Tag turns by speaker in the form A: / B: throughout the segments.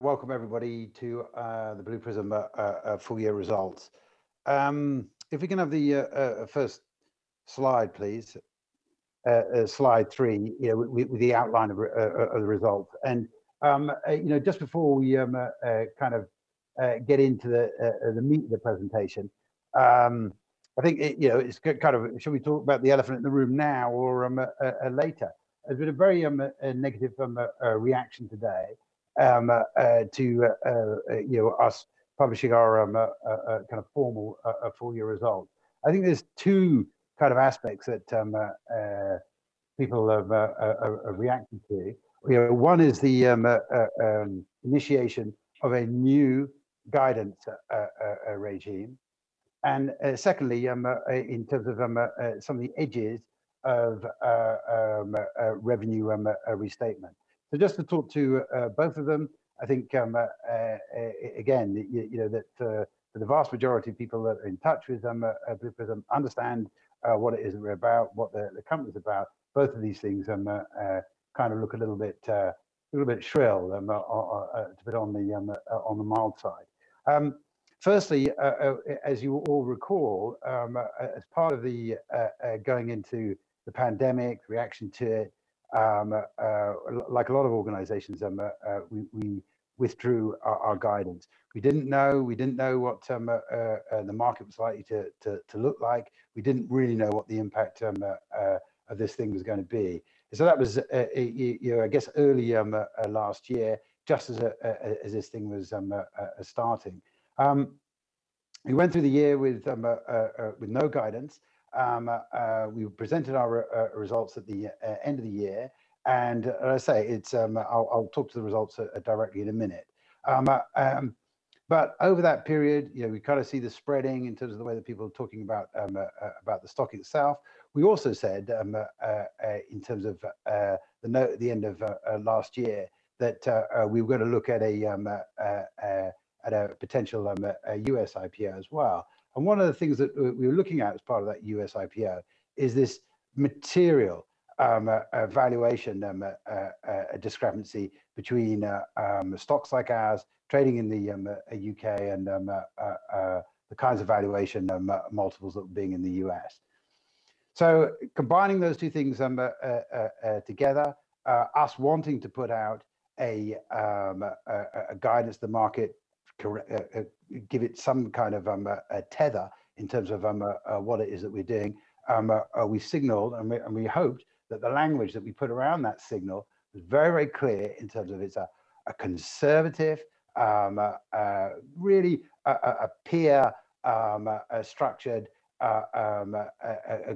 A: Welcome everybody to the Blue Prism full year results. If we can have the first slide, please. Slide three, with the outline of the results. Just before we get into the meat of the presentation, I think it's kind of should we talk about the elephant in the room now or later? There's been a very negative reaction today to us publishing our formal full-year result. I think there's two aspects that people have reacted to. One is the initiation of a new guidance regime, and secondly, in terms of some of the edges of revenue restatement. Just to talk to both of them, I think again, that for the vast majority of people that are in touch with Blue Prism understand what it is we're about, what the company's about. Both of these things look a little bit shrill, a bit on the mild side. As you all recall, as part of the going into the pandemic, reaction to it, like a lot of organizations, we withdrew our guidance. We didn't know what the market was likely to look like. We didn't really know what the impact of this thing was going to be. That was, I guess, early last year, just as this thing was starting. We went through the year with no guidance. We presented our results at the end of the year, as I say, I'll talk to the results directly in a minute. Over that period, we see the spreading in terms of the way that people are talking about the stock itself. We also said, in terms of the note at the end of last year, that we were going to look at a potential U.S. IPO as well. One of the things that we were looking at as part of that U.S. IPO is this material valuation discrepancy between stocks like ours trading in the U.K. and the kinds of valuation multiples that were being in the U.S. Combining those two things together, us wanting to put out a guidance to the market, give it some kind of tether in terms of what it is that we're doing. We signaled and we hoped that the language that we put around that signal was very clear in terms of it's a conservative really a peer structured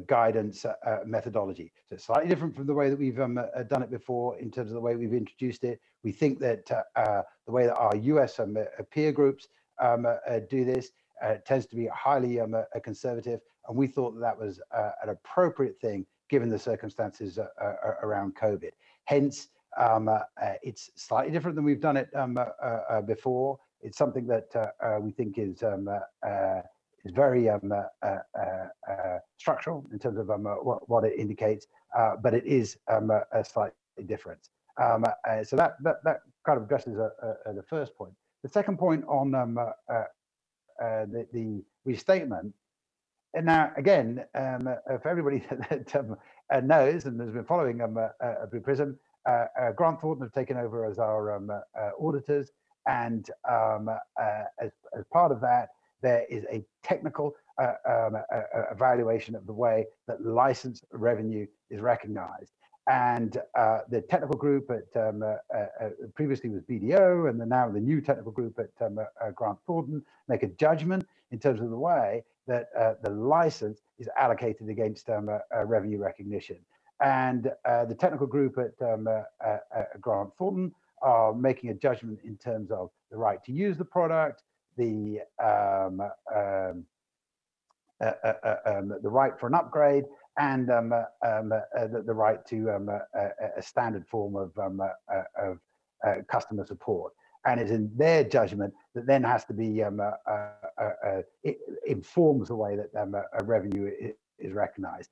A: guidance methodology. Slightly different from the way that we've done it before in terms of the way we've introduced it. We think that the way that our U.S. peer groups do this tends to be highly conservative, and we thought that that was an appropriate thing given the circumstances around COVID. Hence, it's slightly different than we've done it before. It's something that we think is very structural in terms of what it indicates, but it is slightly different. That kind of addresses the first point. The second point on the restatement, and now again, if everybody knows and has been following Blue Prism, Grant Thornton have taken over as our auditors, and as part of that, there is a technical evaluation of the way that license revenue is recognized. The technical group at previously was BDO, and then now the new technical group at Grant Thornton make a judgment in terms of the way that the license is allocated against revenue recognition. The technical group at Grant Thornton are making a judgment in terms of the right to use the product, the right for an upgrade, and the right to a standard form of customer support. It's in their judgment that then informs the way that revenue is recognized.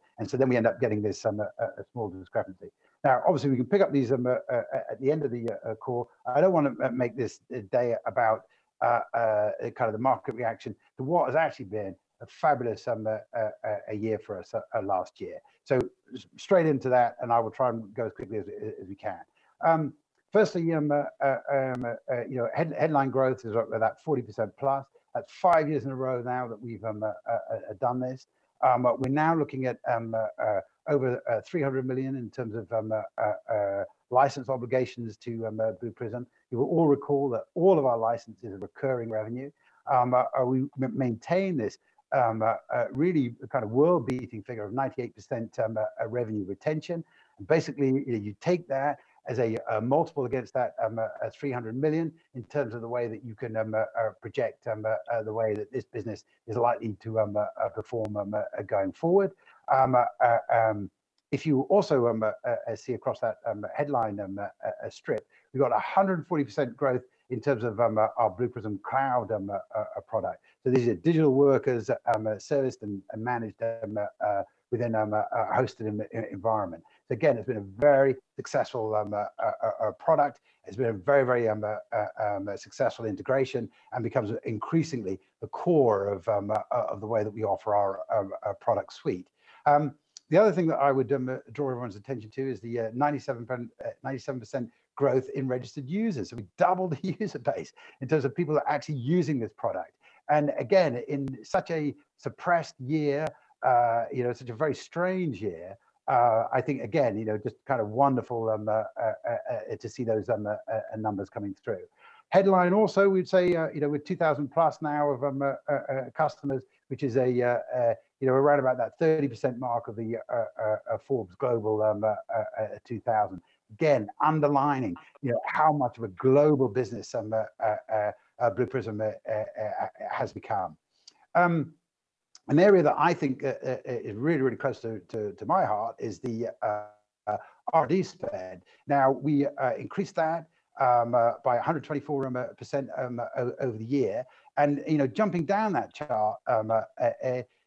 A: We end up getting this small discrepancy. Now, obviously, we can pick up these at the end of the call. I don't want to make this day about the market reaction to what has actually been a fabulous year for us last year. Straight into that, and I will try and go as quickly as we can. Firstly, headline growth is up at about 40% plus. That's five years in a row now that we've done this. We're now looking at over 300 million in terms of license obligations to Blue Prism. You will all recall that all of our licenses are recurring revenue. We maintain this really kind of world-beating figure of 98% revenue retention. You take that as a multiple against that 300 million in terms of the way that you can project the way that this business is likely to perform going forward. If you also see across that headline strip, we've got 140% growth in terms of our Blue Prism Cloud product. These are digital workers serviced and managed within a hosted environment. Again, it's been a very successful product, it's been a very successful integration, and becomes increasingly the core of the way that we offer our product suite. The other thing that I would draw everyone's attention to is the 97% growth in registered users. We've doubled the user base in terms of people that are actually using this product. In such a suppressed year, such a very strange year, I think, again, just kind of wonderful to see those numbers coming through. Headline also, we'd say, with 2,000+ now of customers, which is right about that 30% mark of the Forbes Global 2000. Again, underlining how much of a global business Blue Prism has become. An area that I think is really close to my heart is the R&D spend. Now, we increased that by 124% over the year. Jumping down that chart, I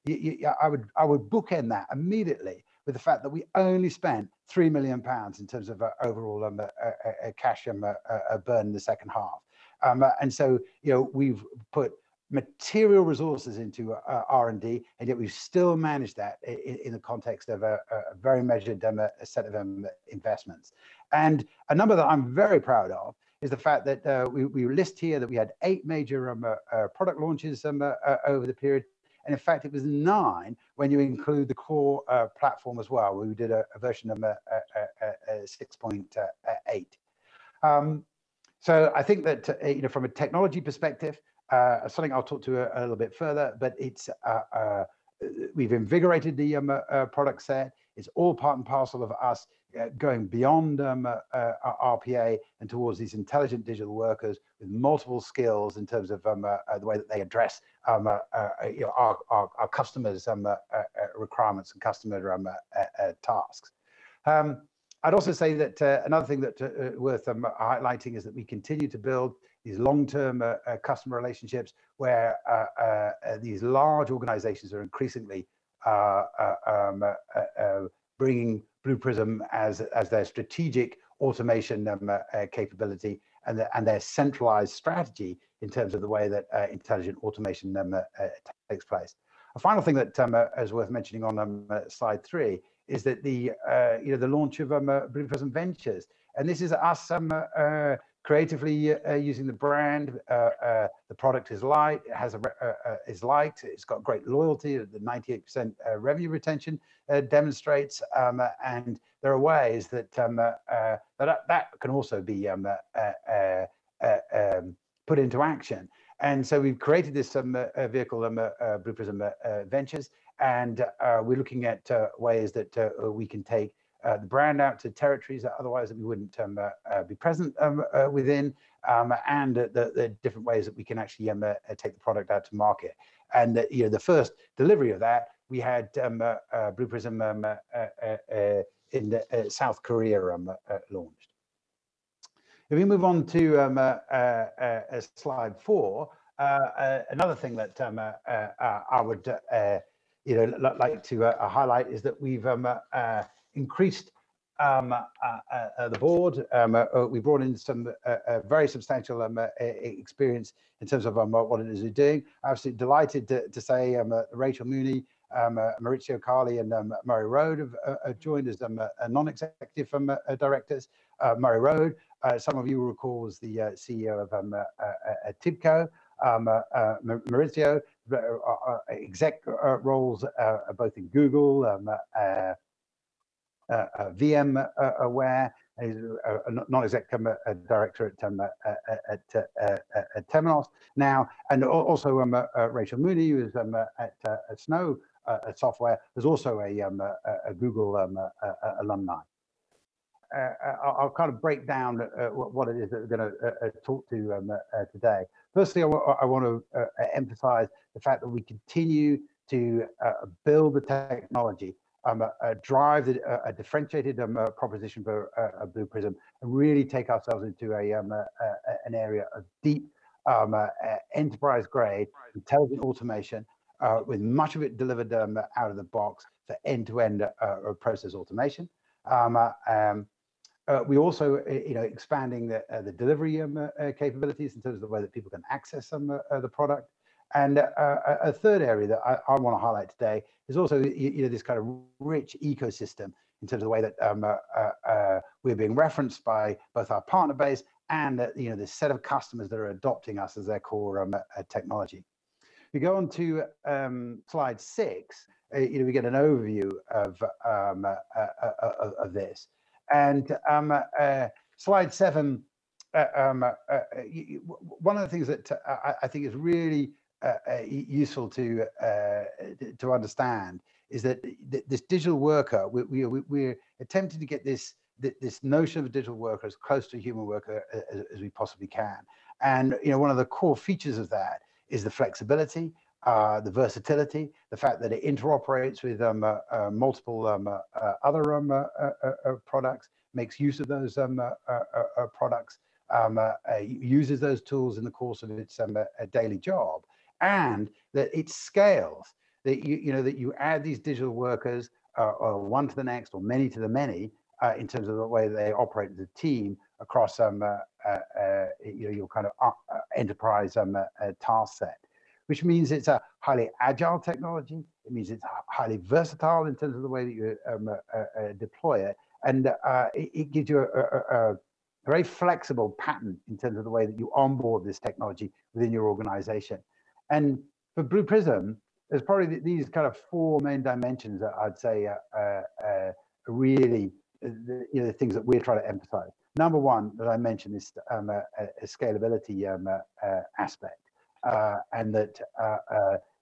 A: would bookend that immediately with the fact that we only spent 3 million pounds in terms of overall cash burn in the second half. We've put material resources into R&D, and yet we've still managed that in the context of a very measured set of investments. A number that I'm very proud of is the fact that we list here that we had eight major product launches over the period, in fact, it was nine when you include the core platform as well, where we did a version 6.8. I think that from a technology perspective, something I'll talk to a little bit further, but we've invigorated the product set. It's all part and parcel of us going beyond RPA and towards these intelligent digital workers with multiple skills in terms of the way that they address our customers' requirements and customer tasks. I'd also say that another thing worth highlighting is that we continue to build these long-term customer relationships where these large organizations are increasingly bringing Blue Prism as their strategic automation capability and their centralized strategy in terms of the way that intelligent automation takes place. A final thing that is worth mentioning on slide three is the launch of Blue Prism Ventures. This is us creatively using the brand. The product is liked, it's got great loyalty, the 98% revenue retention demonstrates. There are ways that can also be put into action. We've created this vehicle, Blue Prism Ventures, and we're looking at ways that we can take the brand out to territories that otherwise we wouldn't be present within, and the different ways that we can actually take the product out to market. The first delivery of that, we had Blue Prism in South Korea launched. If we move on to slide four, another thing that I would like to highlight is that we've increased the board. We brought in some very substantial experience in terms of what it is we're doing. Absolutely delighted to say Rachel Mooney, Maurizio Carli, and Murray Rode have joined as non-executive directors. Murray Rode, some of you will recall, is the CEO of TIBCO. Maurizio, exec roles both in Google, VMware, is a non-executive director at Temenos now. Also Rachel Mooney, who is at Snow Software, is also a Google alumni. I'll kind of break down what it is that we're going to talk to today. Firstly, I want to emphasize the fact that we continue to build the technology, drive a differentiated proposition for Blue Prism, and really take ourselves into an area of deep enterprise-grade intelligent automation, with much of it delivered out of the box for end-to-end process automation. We're also expanding the delivery capabilities in terms of the way that people can access the product. A third area that I want to highlight today is also this kind of rich ecosystem in terms of the way that we're being referenced by both our partner base and the set of customers that are adopting us as their core technology. If you go on to slide six, we get an overview of this. Slide seven, one of the things that I think is really useful to understand is that this digital worker, we're attempting to get this notion of a digital worker as close to a human worker as we possibly can. One of the core features of that is the flexibility, the versatility, the fact that it interoperates with multiple other products, makes use of those products, uses those tools in the course of its daily job, and that it scales. That you add these digital workers, one to the next or many to the many, in terms of the way they operate as a team across your enterprise task set. Which means it's a highly agile technology. It means it's highly versatile in terms of the way that you deploy it. It gives you a very flexible pattern in terms of the way that you onboard this technology within your organization. For Blue Prism, there's probably these four main dimensions that I'd say are really the things that we're trying to emphasize. Number one that I mentioned is the scalability aspect, and that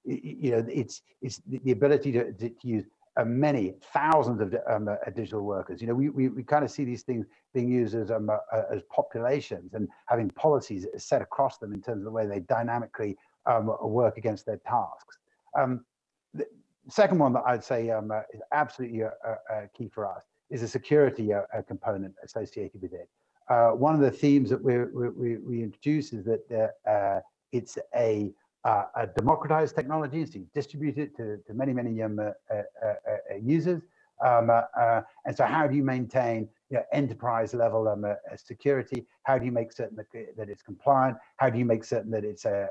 A: it's the ability to use many thousands of digital workers. We see these things being used as populations and having policies set across them in terms of the way they dynamically work against their tasks. The second one that I'd say is absolutely key for us is the security component associated with it. One of the themes that we introduced is that it's a democratized technology. It's being distributed to many, many end users. How do you maintain enterprise-level security? How do you make certain that it's compliant? How do you make certain that it's an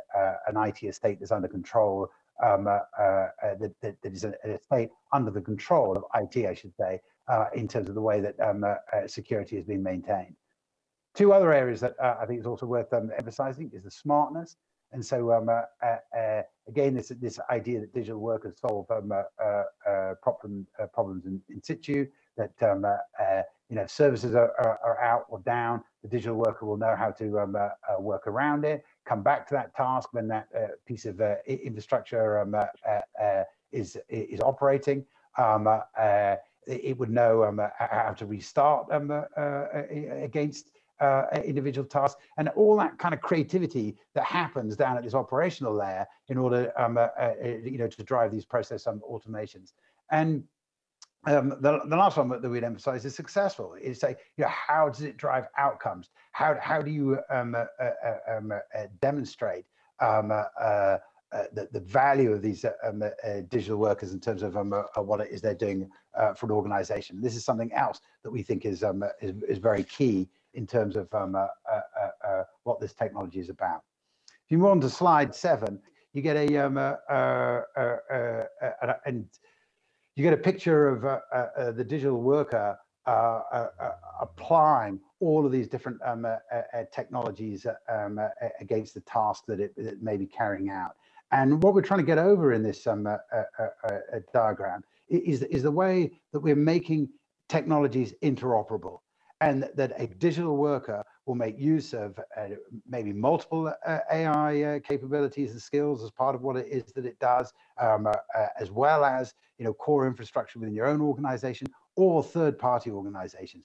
A: IT estate that's under control? That it's under the control of IT, I should say, in terms of the way that security is being maintained. Two other areas that I think is also worth emphasizing is the smartness, again, this idea that digital workers solve problems in situ, that if services are out or down, the digital worker will know how to work around it, come back to that task when that piece of infrastructure is operating. It would know how to restart against individual tasks, and all that kind of creativity that happens down at this operational layer in order to drive these process automations. The last one that we'd emphasize is successful. How does it drive outcomes? How do you demonstrate the value of these digital workers in terms of what it is they're doing for an organization? This is something else that we think is very key in terms of what this technology is about. If you move on to slide seven, you get a picture of the digital worker applying all of these different technologies against the task that it may be carrying out. What we're trying to get over in this diagram is the way that we're making technologies interoperable, and that a digital worker will make use of maybe multiple AI capabilities and skills as part of what it is that it does, as well as core infrastructure within your own organization or third-party organizations.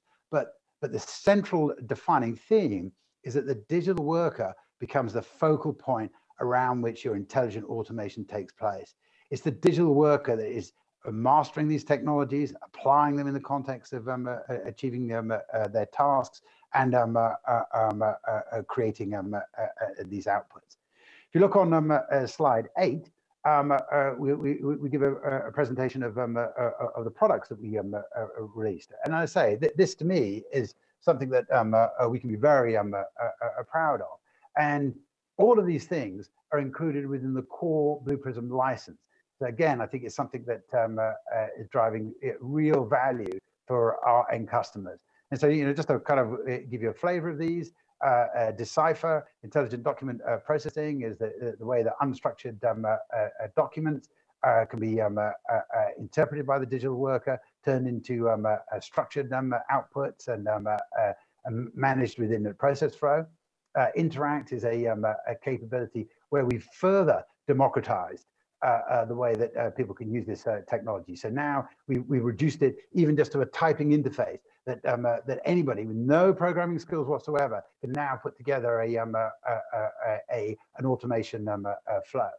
A: The central defining theme is that the digital worker becomes the focal point around which your intelligent automation takes place. It's the digital worker that is mastering these technologies, applying them in the context of achieving their tasks, and creating these outputs. If you look on slide eight, we give a presentation of the products that we released. I say, this to me, is something that we can be very proud of. All of these things are included within the core Blue Prism license. Again, I think it's something that is driving real value for our end customers. Just to kind of give you a flavor of these, Decipher, intelligent document processing, is the way that unstructured documents can be interpreted by the digital worker, turned into a structured output, and managed within a process flow. Interact is a capability where we've further democratized the way that people can use this technology. Now we've reduced it even just to a typing interface that anybody with no programming skills whatsoever can now put together an automation flow.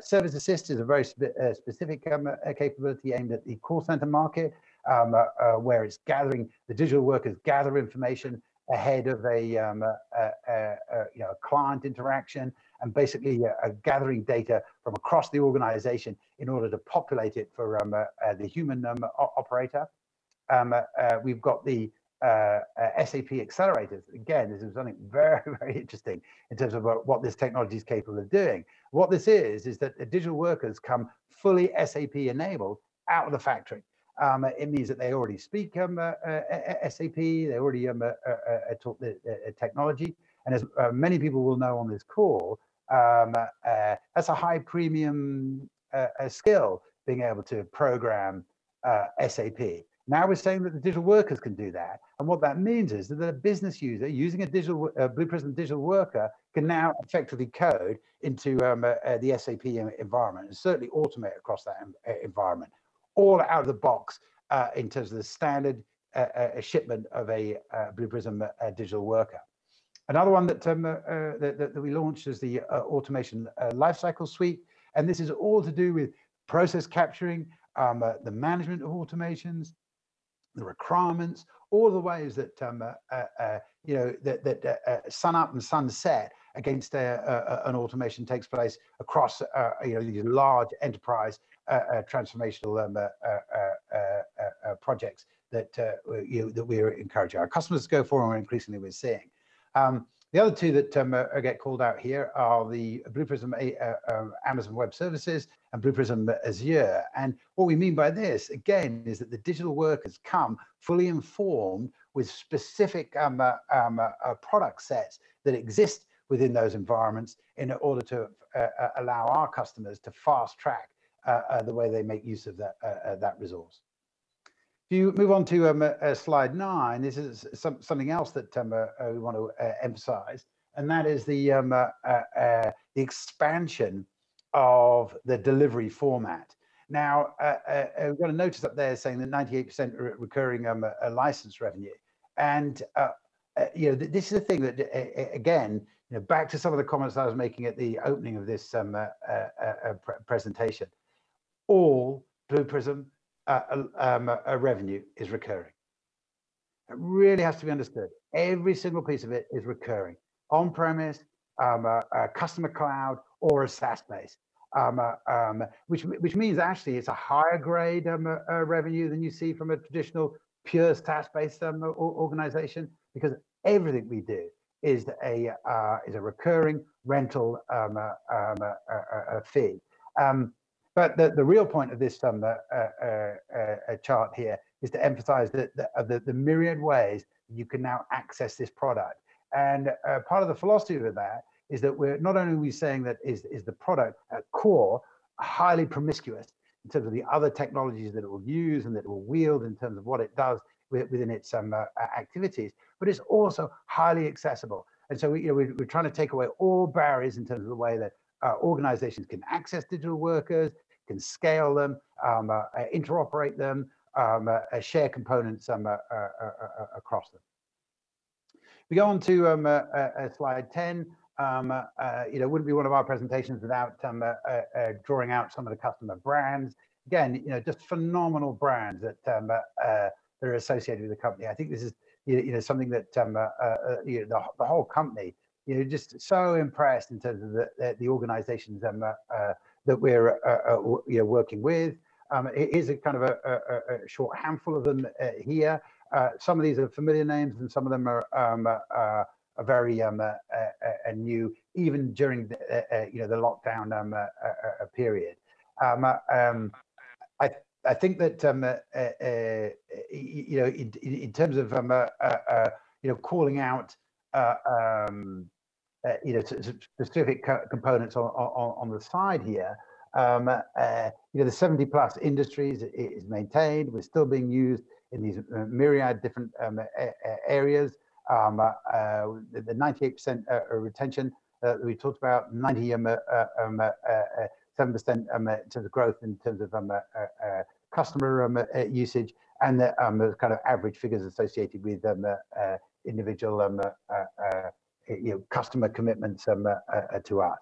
A: Service Assist is a very specific capability aimed at the call center market, where the digital workers gather information ahead of a client interaction, and basically gathering data from across the organization in order to populate it for the human operator. We've got the SAP Accelerators. This is something very, very interesting in terms of what this technology's capable of doing. What this is that the digital workers come fully SAP-enabled out of the factory. It means that they already speak SAP, they already talk the technology, and as many people will know on this call, that's a high-premium skill, being able to program SAP. Now we're saying that the digital workers can do that, and what that means is that a business user using a Blue Prism digital worker can now effectively code into the SAP environment, and certainly automate across that environment, all out of the box in terms of the standard shipment of a Blue Prism digital worker. Another one that we launched is the Automation Lifecycle Suite. This is all to do with process capturing, the management of automations, the requirements, all the ways that sun up and sun set against an automation takes place across these large enterprise transformational projects that we're encouraging our customers to go for and increasingly we're seeing. The other two that get called out here are the Blue Prism Amazon Web Services and Blue Prism Azure. What we mean by this, again, is that the digital workers come fully informed with specific product sets that exist within those environments in order to allow our customers to fast-track the way they make use of that resource. If you move on to slide nine, this is something else that we want to emphasize, that is the expansion of the delivery format. Now, you've got a notice up there saying that 98% are recurring license revenue. This is the thing that, again, back to some of the comments I was making at the opening of this presentation. All Blue Prism revenue is recurring. It really has to be understood. Every single piece of it is recurring. On-premise, customer cloud, or a SaaS base. Which means actually it's a higher grade of revenue than you see from a traditional pure SaaS-based organization, because everything we do is a recurring rental fee. The real point of this chart here is to emphasize the myriad ways you can now access this product. Part of the philosophy with that is that we're not only are we saying that is the product at core, highly promiscuous in terms of the other technologies that it will use and it will wield in terms of what it does within its activities, but it's also highly accessible. We're trying to take away all barriers in terms of the way that organizations can access digital workers, can scale them, interoperate them, share components across them. If we go on to slide 10. It wouldn't be one of our presentations without drawing out some of the customer brands. Again, just phenomenal brands that are associated with the company. I think this is something that the whole company just so impressed in terms of the organizations that we're working with. Here's a kind of a short handful of them here. Some of these are familiar names, and some of them are very new, even during the lockdown period. I think that in terms of calling out specific components on the side here, the 70+ industries is maintained, we're still being used in these myriad different areas. The 98% retention that we talked about, 97% in terms of growth in terms of customer usage and the kind of average figures associated with individual customer commitments to us.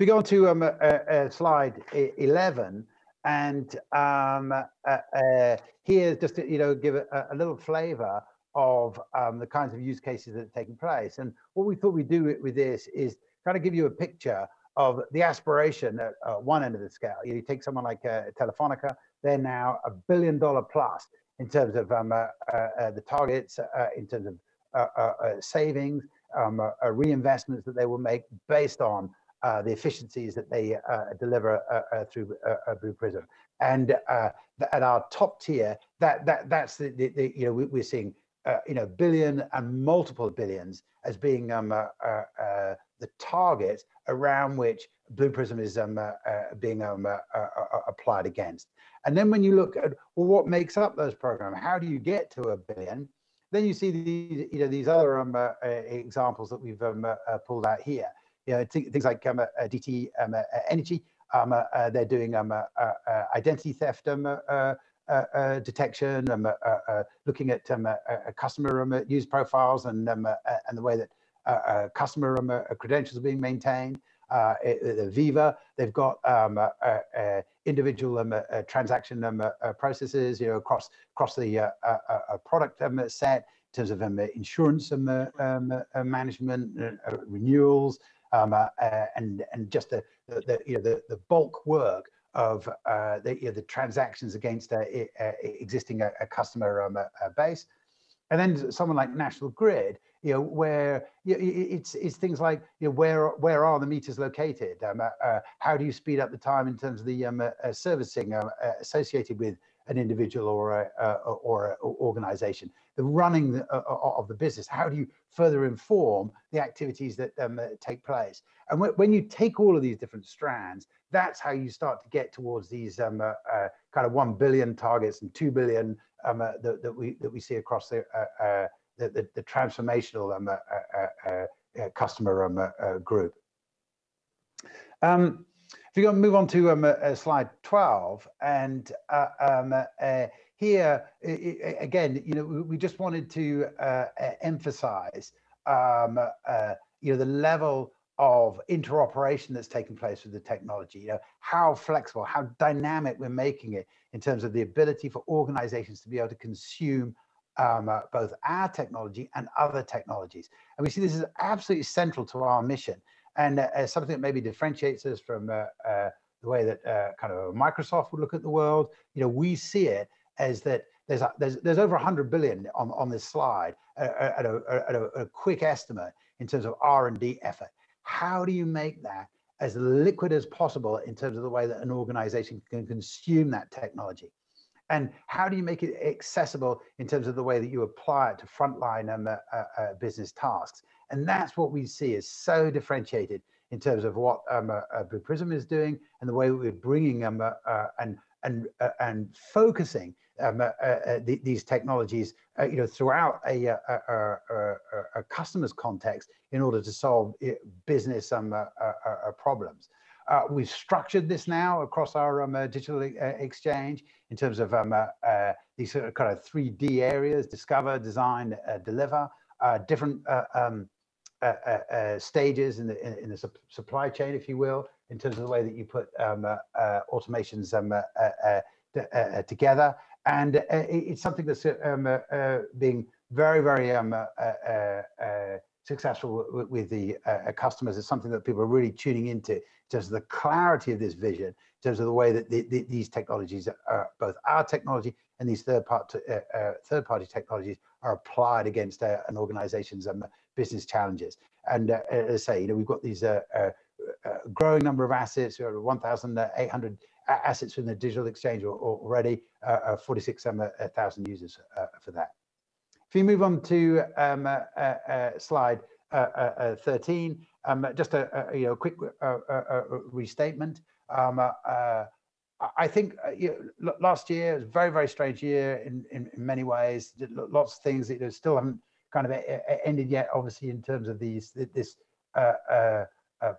A: If you go on to slide 11, here just to give a little flavor of the kinds of use cases that are taking place. What we thought we'd do with this is try to give you a picture of the aspiration at one end of the scale. You take someone like Telefónica, they're now a $1 billion plus in terms of the targets, in terms of savings, reinvestments that they will make based on the efficiencies that they deliver through Blue Prism. At our top tier, we're seeing $1 billion and multiple billions as being the target around which Blue Prism is being applied against. When you look at, well, what makes up those programs? How do you get to a billion? You see these other examples that we've pulled out here. Things like DTE Energy. They're doing identity theft detection, looking at customer use profiles and the way that customer credentials are being maintained. Aviva, they've got individual transaction processes across the product set in terms of insurance management, renewals, and just the bulk work of the transactions against existing customer base. Someone like National Grid, where it's things like, where are the meters located? How do you speed up the time in terms of the servicing associated with an individual or a organization? The running of the business. How do you further inform the activities that take place? When you take all of these different strands, that's how you start to get towards these kind of 1 billion targets and 2 billion that we see across the transformational customer group. If you want to move on to slide 12, here, again, we just wanted to emphasize the level of interoperation that's taking place with the technology. How flexible, how dynamic we're making it in terms of the ability for organizations to be able to consume both our technology and other technologies. We see this is absolutely central to our mission and something that maybe differentiates us from the way that Microsoft would look at the world. We see it as that there's over 100 billion on this slide, at a quick estimate, in terms of R&D effort. How do you make that as liquid as possible in terms of the way that an organization can consume that technology? How do you make it accessible in terms of the way that you apply it to frontline business tasks? That's what we see as so differentiated in terms of what Blue Prism is doing and the way we're bringing and focusing these technologies throughout a customer's context in order to solve business problems. We've structured this now across our Digital Exchange in terms of these three D areas, discover, design, deliver. Different stages in the supply chain, if you will, in terms of the way that you put automations together. It's something that's being very successful with the customers. It's something that people are really tuning into, just the clarity of this vision in terms of the way that these technologies, both our technology and these third-party technologies, are applied against an organization's business challenges. As I say, we've got these growing number of assets. We have 1,800 assets from the Digital Exchange already, 46,000 users for that. If you move on to slide 13, just a quick restatement. I think last year was a very strange year in many ways. Lots of things that still haven't ended yet, obviously, in terms of this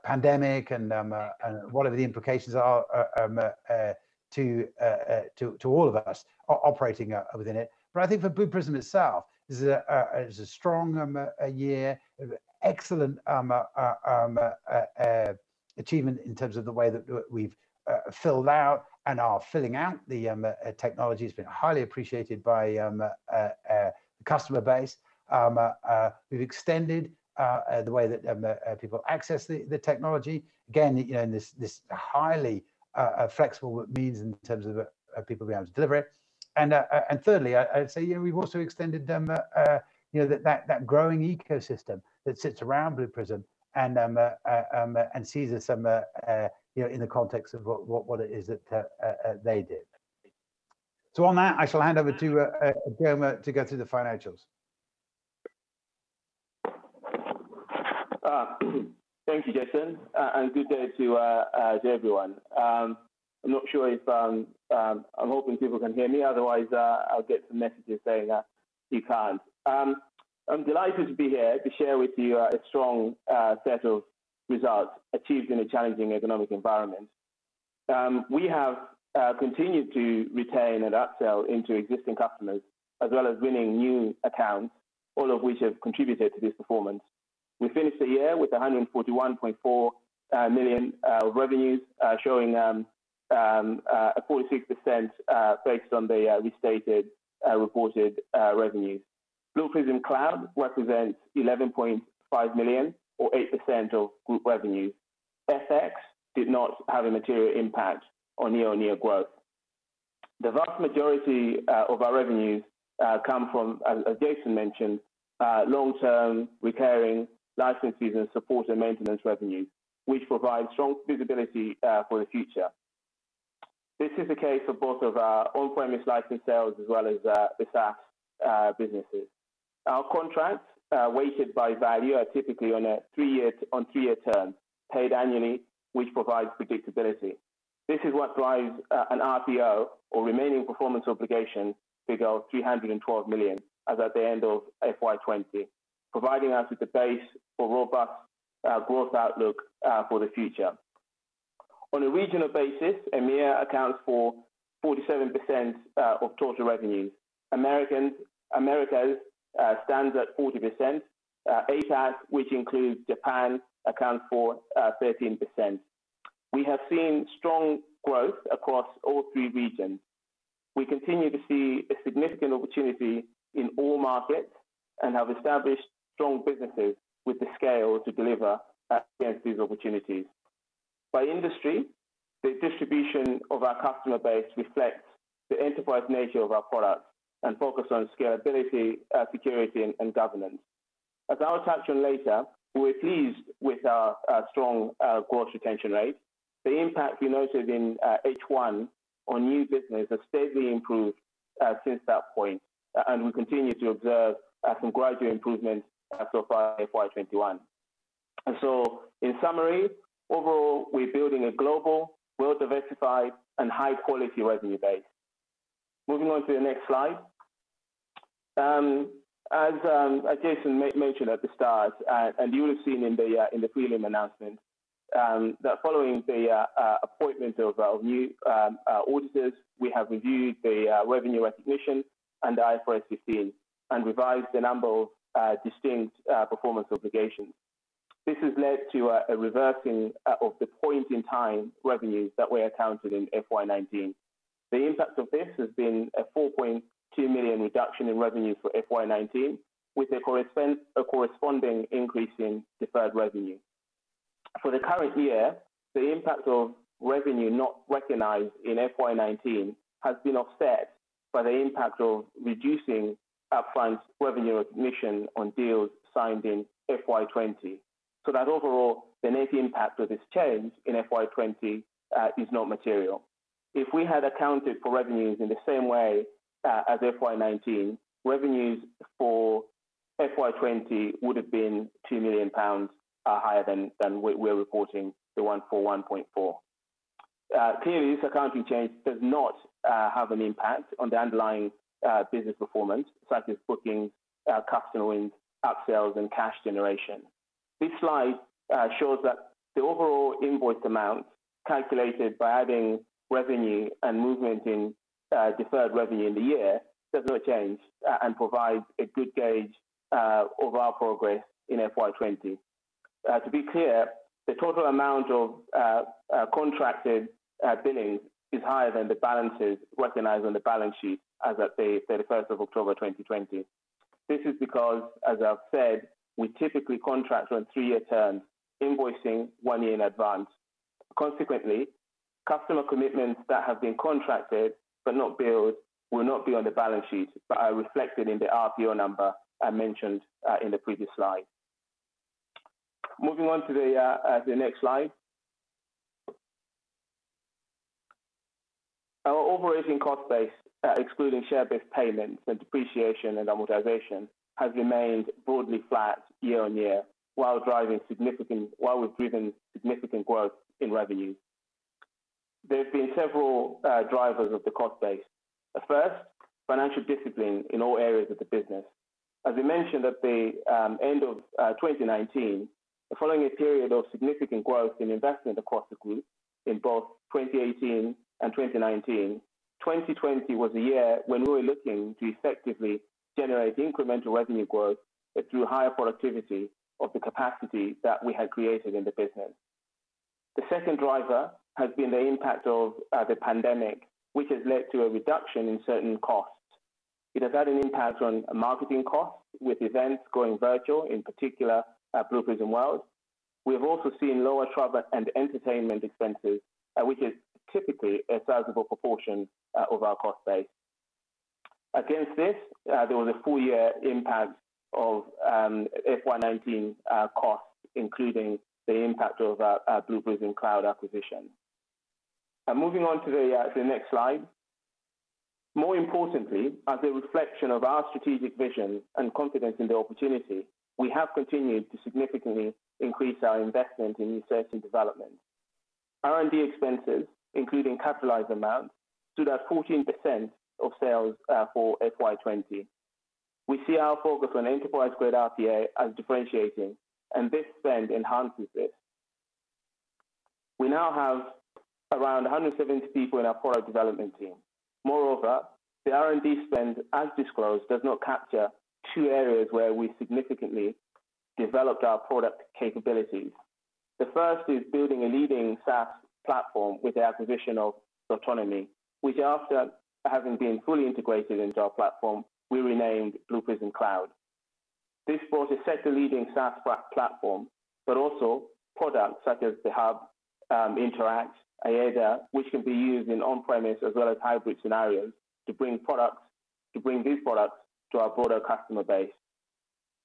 A: pandemic and whatever the implications are to all of us operating within it. I think for Blue Prism itself, it was a strong year with excellent achievement in terms of the way that we've filled out and are filling out the technology. It's been highly appreciated by the customer base. We've extended the way that people access the technology. Again, in this highly flexible means in terms of people being able to deliver it. Thirdly, I would say we've also extended that growing ecosystem that sits around Blue Prism and sees us in the context of what it is that they do. On that, I shall hand over to Ijoma to go through the financials.
B: Thank you, Jason, and good day to everyone. I'm hoping people can hear me, otherwise, I'll get some messages saying that you can't. I'm delighted to be here to share with you a strong set of results achieved in a challenging economic environment. We have continued to retain and upsell into existing customers, as well as winning new accounts, all of which have contributed to this performance. We finished the year with 141.4 million revenues, showing a 46% based on the restated reported revenues. Blue Prism Cloud represents 11.5 million or 8% of group revenue. FX did not have a material impact on the year-on-year growth. The vast majority of our revenues come from, as Jason mentioned, long-term recurring license fees and support and maintenance revenue, which provides strong visibility for the future. This is the case for both of our on-premise license sales as well as the SaaS businesses. Our contracts, weighted by value, are typically on three-year terms, paid annually, which provides predictability. This is what drives an RPO, or remaining performance obligation, figure of 312 million as at the end of FY 2020, providing us with a base for robust growth outlook for the future. On a regional basis, EMEA accounts for 47% of total revenues. Americas stands at 40%. APAC, which includes Japan, accounts for 13%. We have seen strong growth across all three regions. We continue to see a significant opportunity in all markets and have established strong businesses with the scale to deliver against these opportunities. By industry, the distribution of our customer base reflects the enterprise nature of our products and focus on scalability, security, and governance. As I'll touch on later, we're pleased with our strong gross retention rate. The impact we noted in H1 on new business has steadily improved since that point, and we continue to observe some gradual improvements so far in FY 2021. In summary, overall, we're building a global, well-diversified, and high-quality revenue base. Moving on to the next slide. As Jason mentioned at the start, and you will have seen in the prelim announcement, that following the appointment of our new auditors, we have reviewed the revenue recognition and IFRS, and revised a number of distinct performance obligations. This has led to a reversing of the point-in-time revenues that were accounted in FY 2019. The impact of this has been a 4.2 million reduction in revenue for FY 2019, with a corresponding increase in deferred revenue. For the current year, the impact of revenue not recognized in FY 2019 has been offset by the impact of reducing upfront revenue recognition on deals signed in FY 2020. That overall, the net impact of this change in FY 2020 is not material. If we had accounted for revenues in the same way as FY 2019, revenues for FY 2020 would have been 2 million pounds higher than we're reporting, the 141.4 million. Clearly, this accounting change does not have an impact on the underlying business performance, such as bookings, customer wins, upsells, and cash generation. This slide shows that the overall invoiced amount, calculated by adding revenue and movement in deferred revenue in the year, does not change and provides a good gauge of our progress in FY 2020. To be clear, the total amount of contracted billing is higher than the balances recognized on the balance sheet as at 31st October 2020. This is because, as I've said, we typically contract on three-year terms, invoicing one year in advance. Consequently, customer commitments that have been contracted but not billed will not be on the balance sheet, but are reflected in the RPO number I mentioned in the previous slide. Moving on to the next slide. Our operating cost base, excluding share-based payments and depreciation and amortization, has remained broadly flat year-over-year, while we've driven significant growth in revenue. There have been several drivers of the cost base. The first, financial discipline in all areas of the business. As we mentioned at the end of 2019, following a period of significant growth in investment across the group in both 2018 and 2019, 2020 was a year when we were looking to effectively generate incremental revenue growth through higher productivity of the capacity that we had created in the business. The second driver has been the impact of the pandemic, which has led to a reduction in certain costs. It has had an impact on marketing costs, with events going virtual, in particular Blue Prism World. We have also seen lower travel and entertainment expenses, which is typically a sizable proportion of our cost base. Against this, there was a full-year impact of FY 2019 costs, including the impact of our Blue Prism Cloud acquisition. Moving on to the next slide. More importantly, as a reflection of our strategic vision and confidence in the opportunity, we have continued to significantly increase our investment in research and development. R&D expenses, including capitalized amounts, stood at 14% of sales for FY 2020. We see our focus on enterprise-grade RPA as differentiating, and this spend enhances it. We now have around 170 people in our product development team. Moreover, the R&D spend, as disclosed, does not capture two areas where we significantly developed our product capabilities. The first is building a leading SaaS platform with the acquisition of Thoughtonomy, which after having been fully integrated into our platform, we renamed Blue Prism Cloud. This was a sector-leading SaaS platform, but also products such as the Hub, Interact, IAIDA, which can be used in on-premise as well as hybrid scenarios to bring these products to our broader customer base.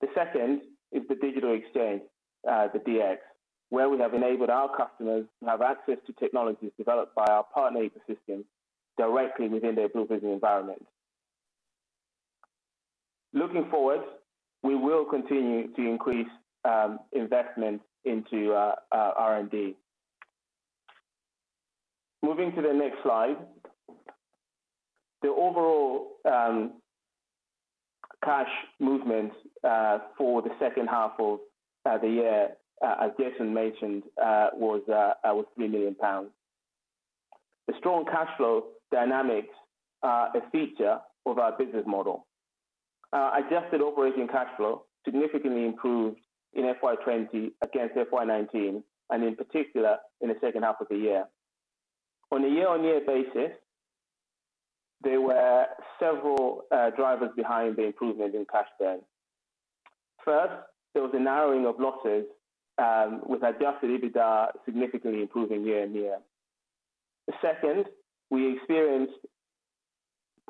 B: The second is the Digital Exchange, the DX, where we have enabled our customers to have access to technologies developed by our partner ecosystem directly within their Blue Prism environment. Looking forward, we will continue to increase investment into R&D. Moving to the next slide. The overall cash movement for the second half of the year, as Jason mentioned, was 3 million pounds. The strong cash flow dynamics are a feature of our business model. Adjusted operating cash flow significantly improved in FY 2020 against FY 2019, in particular, in the second half of the year. On a year-on-year basis, there were several drivers behind the improvement in cash there. First, there was a narrowing of losses, with adjusted EBITDA significantly improving year-on-year. The second, we experienced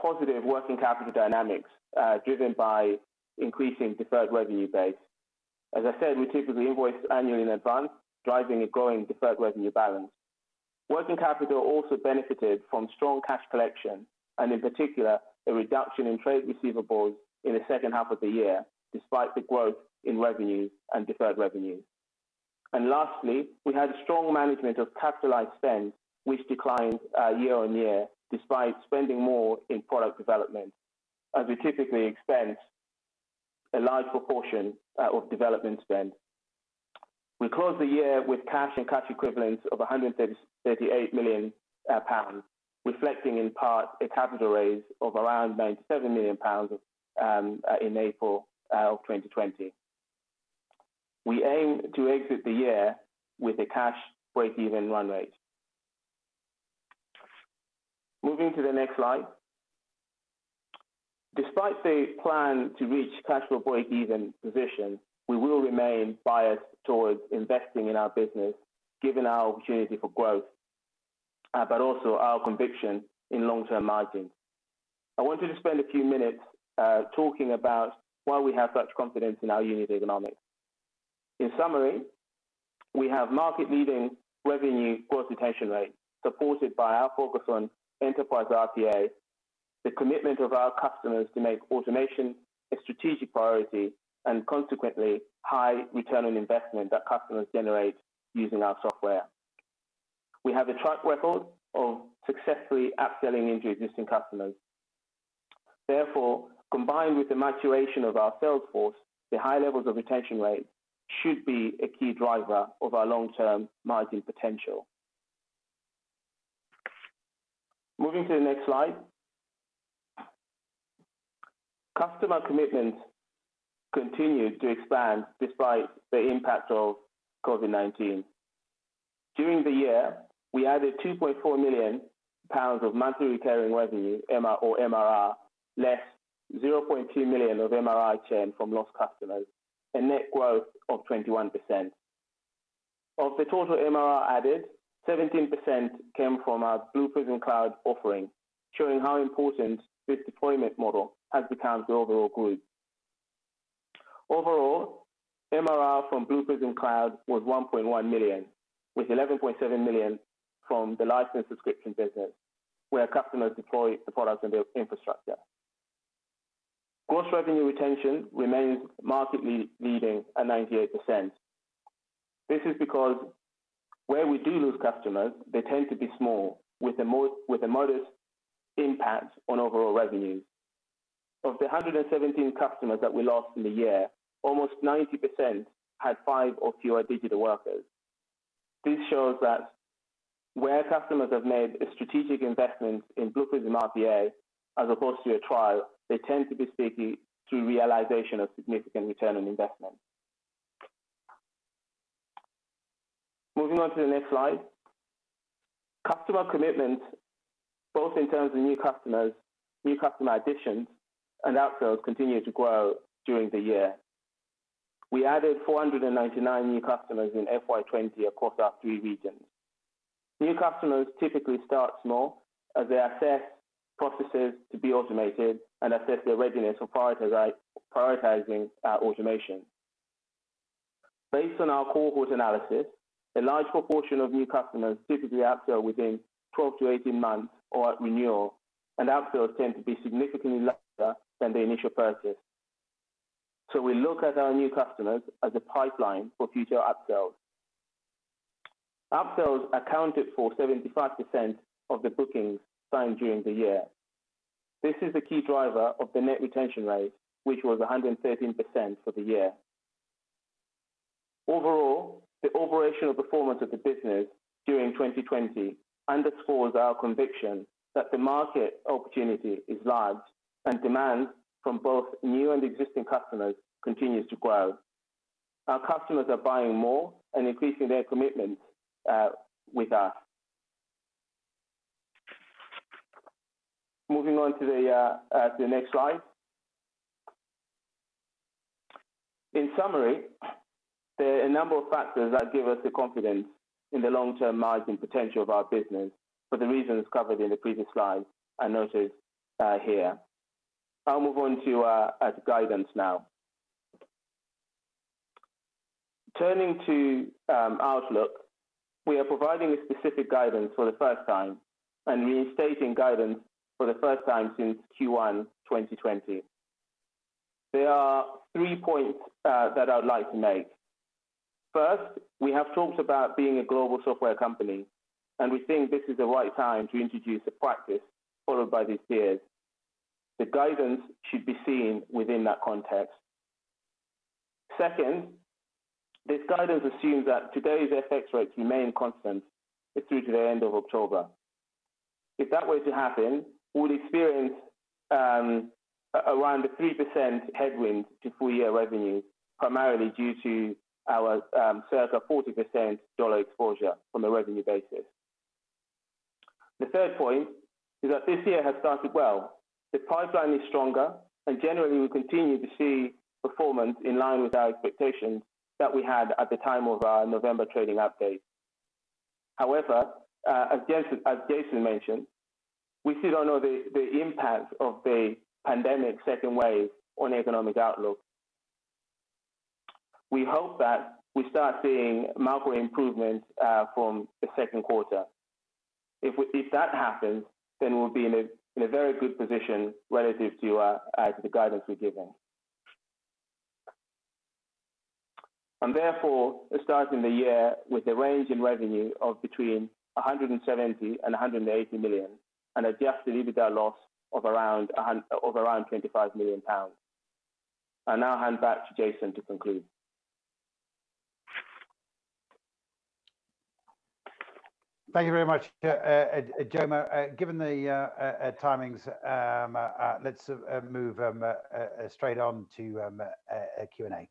B: positive working capital dynamics, driven by increasing deferred revenue base. As I said, we typically invoice annually in advance, driving a growing deferred revenue balance. Working capital also benefited from strong cash collection, in particular, a reduction in trade receivables in the second half of the year, despite the growth in revenue and deferred revenue. Lastly, we had strong management of capitalized spend, which declined year-on-year despite spending more in product development as we typically expense a large proportion of development spend. We closed the year with cash and cash equivalents of 138 million pounds, reflecting in part a capital raise of around 97 million pounds in April of 2020. We aim to exit the year with a cash breakeven run rate. Moving to the next slide. Despite the plan to reach cash flow breakeven position, we will remain biased towards investing in our business, given our opportunity for growth, but also our conviction in long-term margins. I wanted to spend a few minutes talking about why we have such confidence in our unit economics. In summary, we have market-leading revenue growth retention rates supported by our focus on enterprise RPA, the commitment of our customers to make automation a strategic priority, and consequently high ROI that customers generate using our software. We have a track record of successfully upselling into existing customers. Therefore, combined with the maturation of our sales force, the high levels of retention rates should be a key driver of our long-term margin potential. Moving to the next slide. Customer commitments continued to expand despite the impact of COVID-19. During the year, we added 2.4 million pounds of monthly recurring revenue, MRR, less 0.2 million of MRR churn from lost customers, a net growth of 21%. Of the total MRR added, 17% came from our Blue Prism Cloud offering, showing how important this deployment model has become to the overall group. Overall, MRR from Blue Prism Cloud was 1.1 million, with 11.7 million from the licensed subscription business, where customers deploy the products and build infrastructure. Gross revenue retention remains market-leading at 98%. This is because where we do lose customers, they tend to be small, with a modest impact on overall revenue. Of the 117 customers that we lost in the year, almost 90% had five or fewer digital workers. This shows that where customers have made a strategic investment in Blue Prism RPA as opposed to a trial, they tend to be sticking through realization of significant return on investment. Moving on to the next slide. Customer commitments, both in terms of new customer additions and upsells, continued to grow during the year. We added 499 new customers in FY 2020 across our three regions. New customers typically start small as they assess processes to be automated and assess their readiness for prioritizing automation. Based on our cohort analysis, a large proportion of new customers typically upsell within 12 to 18 months or at renewal, and upsells tend to be significantly larger than the initial purchase. We look at our new customers as a pipeline for future upsells. Upsells accounted for 75% of the bookings signed during the year. This is a key driver of the net retention rate, which was 113% for the year. Overall, the operational performance of the business during 2020 underscores our conviction that the market opportunity is large and demand from both new and existing customers continues to grow. Our customers are buying more and increasing their commitment with us. Moving on to the next slide. In summary, there are a number of factors that give us the confidence in the long-term margin potential of our business for the reasons covered in the previous slide are noted here. I'll move on to our guidance now. Turning to outlook, we are providing specific guidance for the first time and reinstating guidance for the first time since Q1 2020. There are three points that I would like to make. First, we have talked about being a global software company, and we think this is the right time to introduce a practice followed by these peers. The guidance should be seen within that context. Second, this guidance assumes that today's FX rates remain constant through to the end of October. If that were to happen, we will experience around a 3% headwind to full-year revenue, primarily due to our circa 40% dollar exposure on a revenue basis. The third point is that this year has started well. The pipeline is stronger, and generally, we continue to see performance in line with our expectations that we had at the time of our November trading update. However, as Jason mentioned, we still do not know the impact of the pandemic second wave on economic outlook. We hope that we start seeing measurable improvements from the second quarter. If that happens, we'll be in a very good position relative to the guidance we've given. Therefore, starting the year with a range in revenue of between 170 million and 180 million, and adjusted EBITDA loss of around 25 million pounds. I now hand back to Jason to conclude.
A: Thank you very much, Ijoma. Given the timings, let's move straight on to Q&A.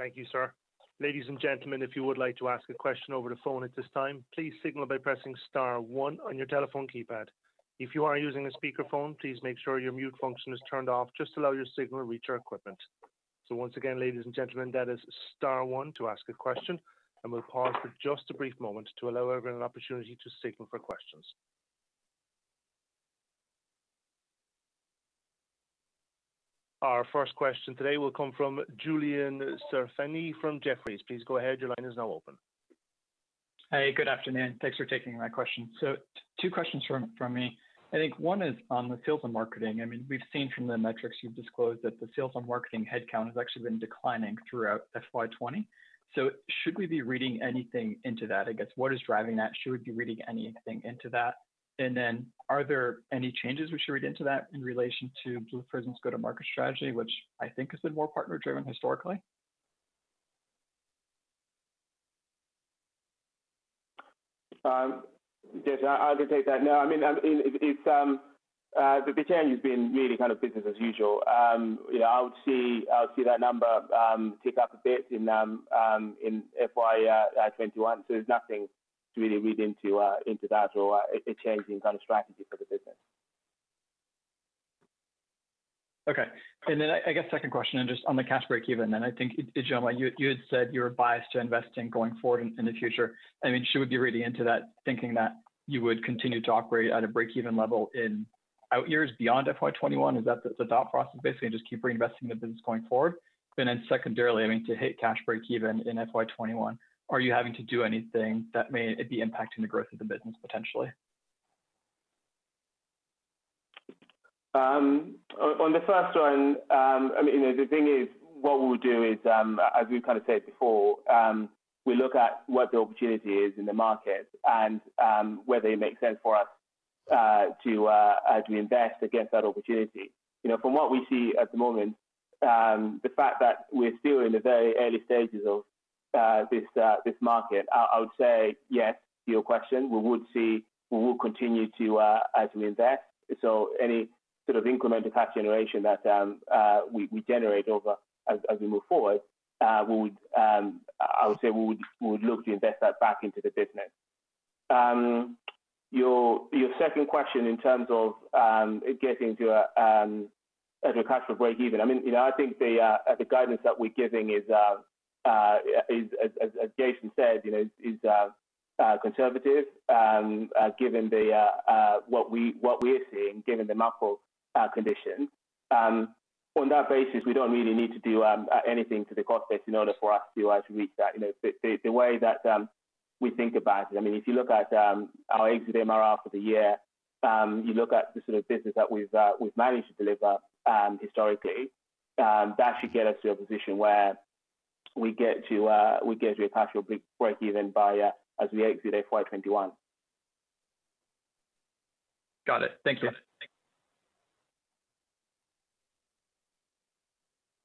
C: Thank you, sir. Ladies and gentlemen, if you would like to ask a question over the phone at this time, please signal by pressing star one on your telephone keypad. If you are using a speakerphone, please make sure your mute function is turned off just to allow your signal to reach our equipment. Once again, ladies and gentlemen, that is star one to ask a question, and we'll pause for just a brief moment to allow everyone an opportunity to signal for questions. Our first question today will come from Julian Serafini from Jefferies. Please go ahead. Your line is now open.
D: Hey, good afternoon. Thanks for taking my question. Two questions from me. I think one is on the sales and marketing. We've seen from the metrics you've disclosed that the sales and marketing headcount has actually been declining throughout FY 2020. Should we be reading anything into that? I guess, what is driving that? Should we be reading anything into that? Are there any changes we should read into that in relation to Blue Prism's go-to-market strategy, which I think has been more partner driven historically?
B: Yes, I can take that. No, the change has been really kind of business as usual. I would see that number tick up a bit in FY 2021. There's nothing to really read into that or a change in strategy for the business.
D: Okay. I guess second question, just on the cash break-even. I think, Ijoma, you had said you were biased to investing going forward in the future. Should we be reading into that thinking that you would continue to operate at a break-even level in out years beyond FY 2021? Is that the thought process, basically just keep reinvesting the business going forward? Secondarily, to hit cash break-even in FY 2021, are you having to do anything that may be impacting the growth of the business potentially?
B: On the first one, the thing is, what we'll do is, as we kind of said before, we look at what the opportunity is in the market and whether it makes sense for us to invest against that opportunity. From what we see at the moment, the fact that we're still in the very early stages of this market, I would say yes to your question. Any sort of incremental cash generation that we generate as we move forward, I would say we would look to invest that back into the business. Your second question in terms of getting to a cash flow break even, I think the guidance that we're giving, as Jason said, is conservative given what we are seeing, given the macro conditions. On that basis, we don't really need to do anything to the cost base in order for us to reach that. The way that we think about it, if you look at our exit MRR for the year, you look at the sort of business that we've managed to deliver historically, that should get us to a position where we get to a cash flow break even as we exit FY 2021.
D: Got it. Thank you.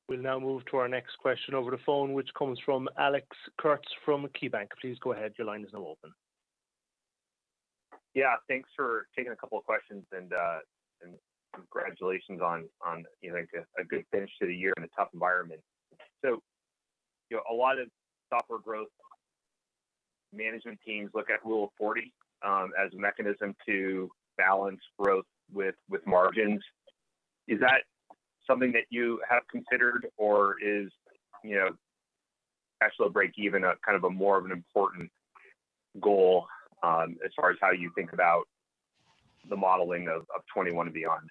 C: We'll now move to our next question over the phone, which comes from Alex Kurtz from KeyBanc. Please go ahead, your line is now open.
E: Thanks for taking a couple of questions, and congratulations on a good finish to the year in a tough environment. A lot of software growth management teams look at Rule of 40 as a mechanism to balance growth with margins. Is that something that you have considered, or is cash flow break even kind of a more of an important goal as far as how you think about the modeling of 2021 and beyond?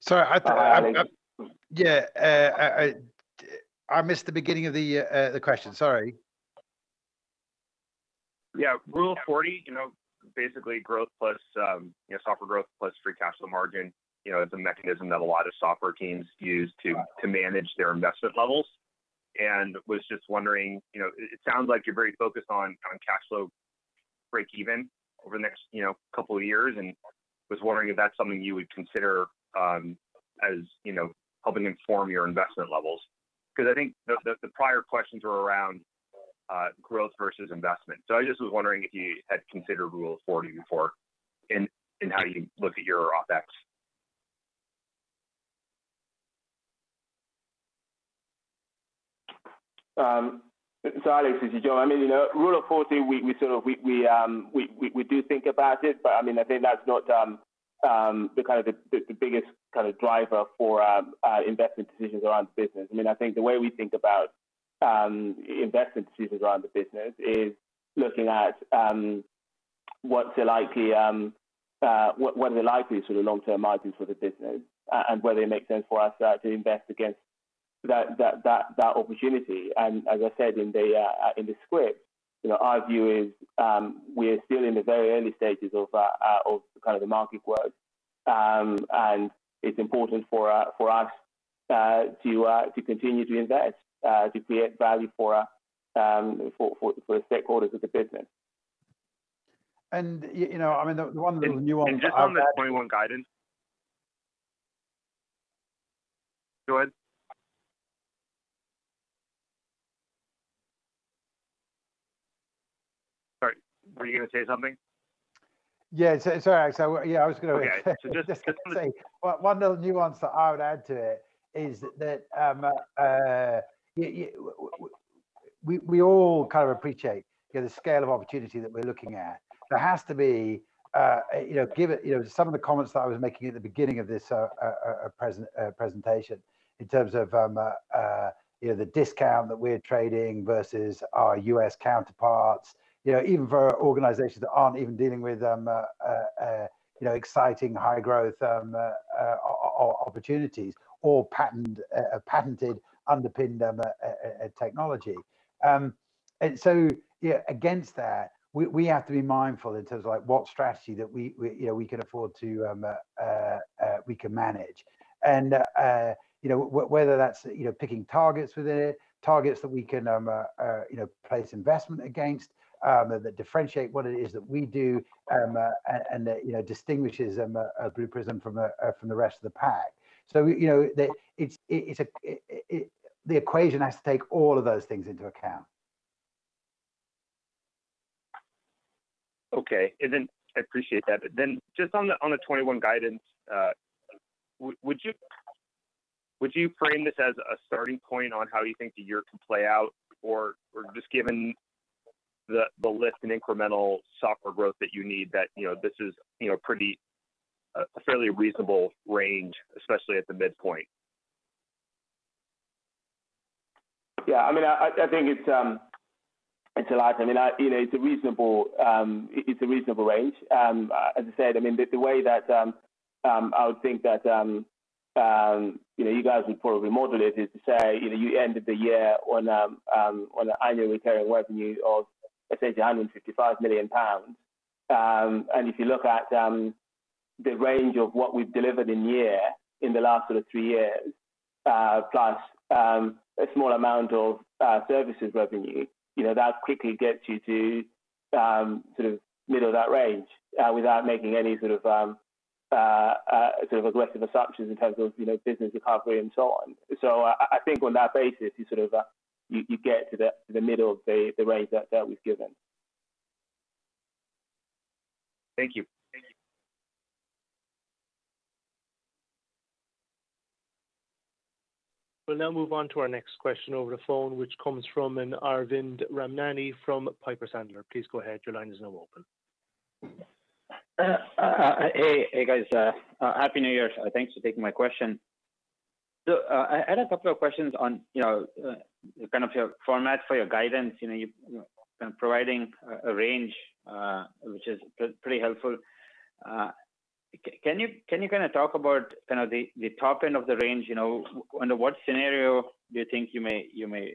A: Sorry, I missed the beginning of the question, sorry.
E: Rule of 40, basically growth plus software growth plus free cash flow margin is a mechanism that a lot of software teams use to manage their investment levels. Was just wondering, it sounds like you're very focused on cash flow break even over the next couple of years, and was wondering if that's something you would consider as helping inform your investment levels. I think the prior questions were around growth versus investment. I just was wondering if you had considered Rule of 40 before in how you look at your OPEX.
B: Alex, this is Ijoma. Rule of 40, we do think about it, but I think that's not the biggest driver for our investment decisions around the business. I think the way we think about investment decisions around the business is looking at what are the likely sort of long-term margins for the business, and whether it makes sense for us to invest against that opportunity. As I said in the script, our view is we are still in the very early stages of the market growth, and it's important for us to continue to invest to create value for the stakeholders of the business.
A: The one nuance I would add.
E: Just on the 2021 guidance. Go ahead. Sorry, were you going to say something?
A: Yeah. Sorry, Alex.
E: Okay
A: One little nuance that I would add to it is that we all appreciate the scale of opportunity that we're looking at. Some of the comments that I was making at the beginning of this presentation in terms of the discount that we are trading versus our U.S. counterparts, even for organizations that aren't even dealing with exciting high-growth opportunities or patented underpinned technology. Against that, we have to be mindful in terms of what strategy that we can afford to manage. Whether that's picking targets within it, targets that we can place investment against, that differentiate what it is that we do, and that distinguishes Blue Prism from the rest of the pack. The equation has to take all of those things into account.
E: Okay. I appreciate that. Just on the 2021 guidance, would you frame this as a starting point on how you think the year can play out? Or just given the lift in incremental software growth that you need, that this is a fairly reasonable range, especially at the midpoint?
B: I think it's a reasonable range. As I said, the way that I would think that you guys would probably model it is to say, you ended the year on an annual recurring revenue of, let's say, 155 million pounds. If you look at the range of what we've delivered in the year in the last three years, plus a small amount of services revenue, that quickly gets you to middle of that range without making any sort of aggressive assumptions in terms of business recovery and so on. I think on that basis, you get to the middle of the range that we've given.
E: Thank you.
C: We'll now move on to our next question over the phone, which comes from Arvind Ramnani from Piper Sandler. Please go ahead. Your line is now open.
F: Hey, guys. Happy New Year. Thanks for taking my question. I had a couple of questions on your format for your guidance, you providing a range, which is pretty helpful. Can you talk about the top end of the range? Under what scenario do you think you may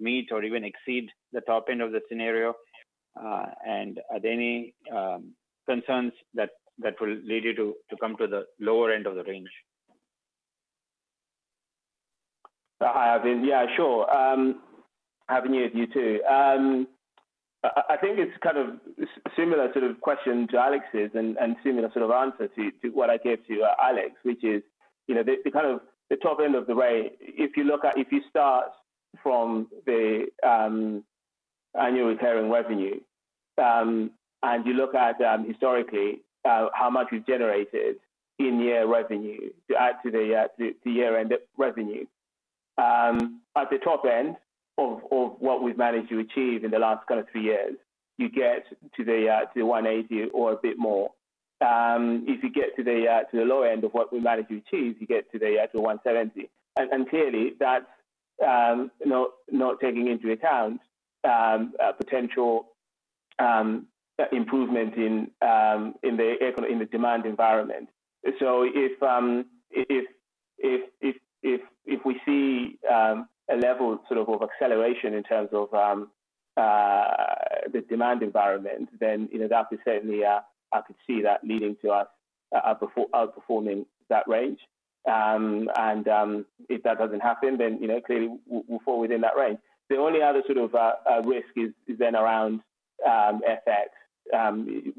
F: meet or even exceed the top end of the scenario? Are there any concerns that will lead you to come to the lower end of the range?
B: Hi, Arvind. Yeah, sure. Happy New Year to you, too. I think it's a similar question to Alex's and similar answer to what I gave to Alex, which is, the top end of the range, if you start from the annual recurring revenue, and you look at historically how much we've generated in year revenue to add to the year-end revenue, at the top end of what we've managed to achieve in the last three years, you get to the 180 or a bit more. If you get to the low end of what we managed to achieve, you get to the 170. Clearly, that's not taking into account potential improvement in the demand environment. If we see a level of acceleration in terms of the demand environment, then that could certainly, I could see that leading to us outperforming that range. If that doesn't happen, then clearly, we'll fall within that range. The only other risk is then around FX. The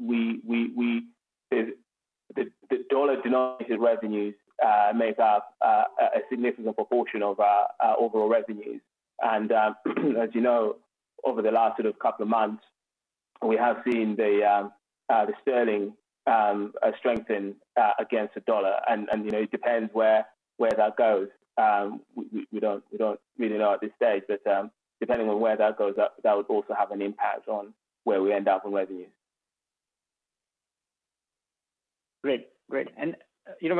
B: dollar-denominated revenues make up a significant proportion of our overall revenues. As you know, over the last couple of months, we have seen the sterling strengthen against the dollar, and it depends where that goes. We don't really know at this stage, depending on where that goes, that would also have an impact on where we end up on revenue.
F: Great. When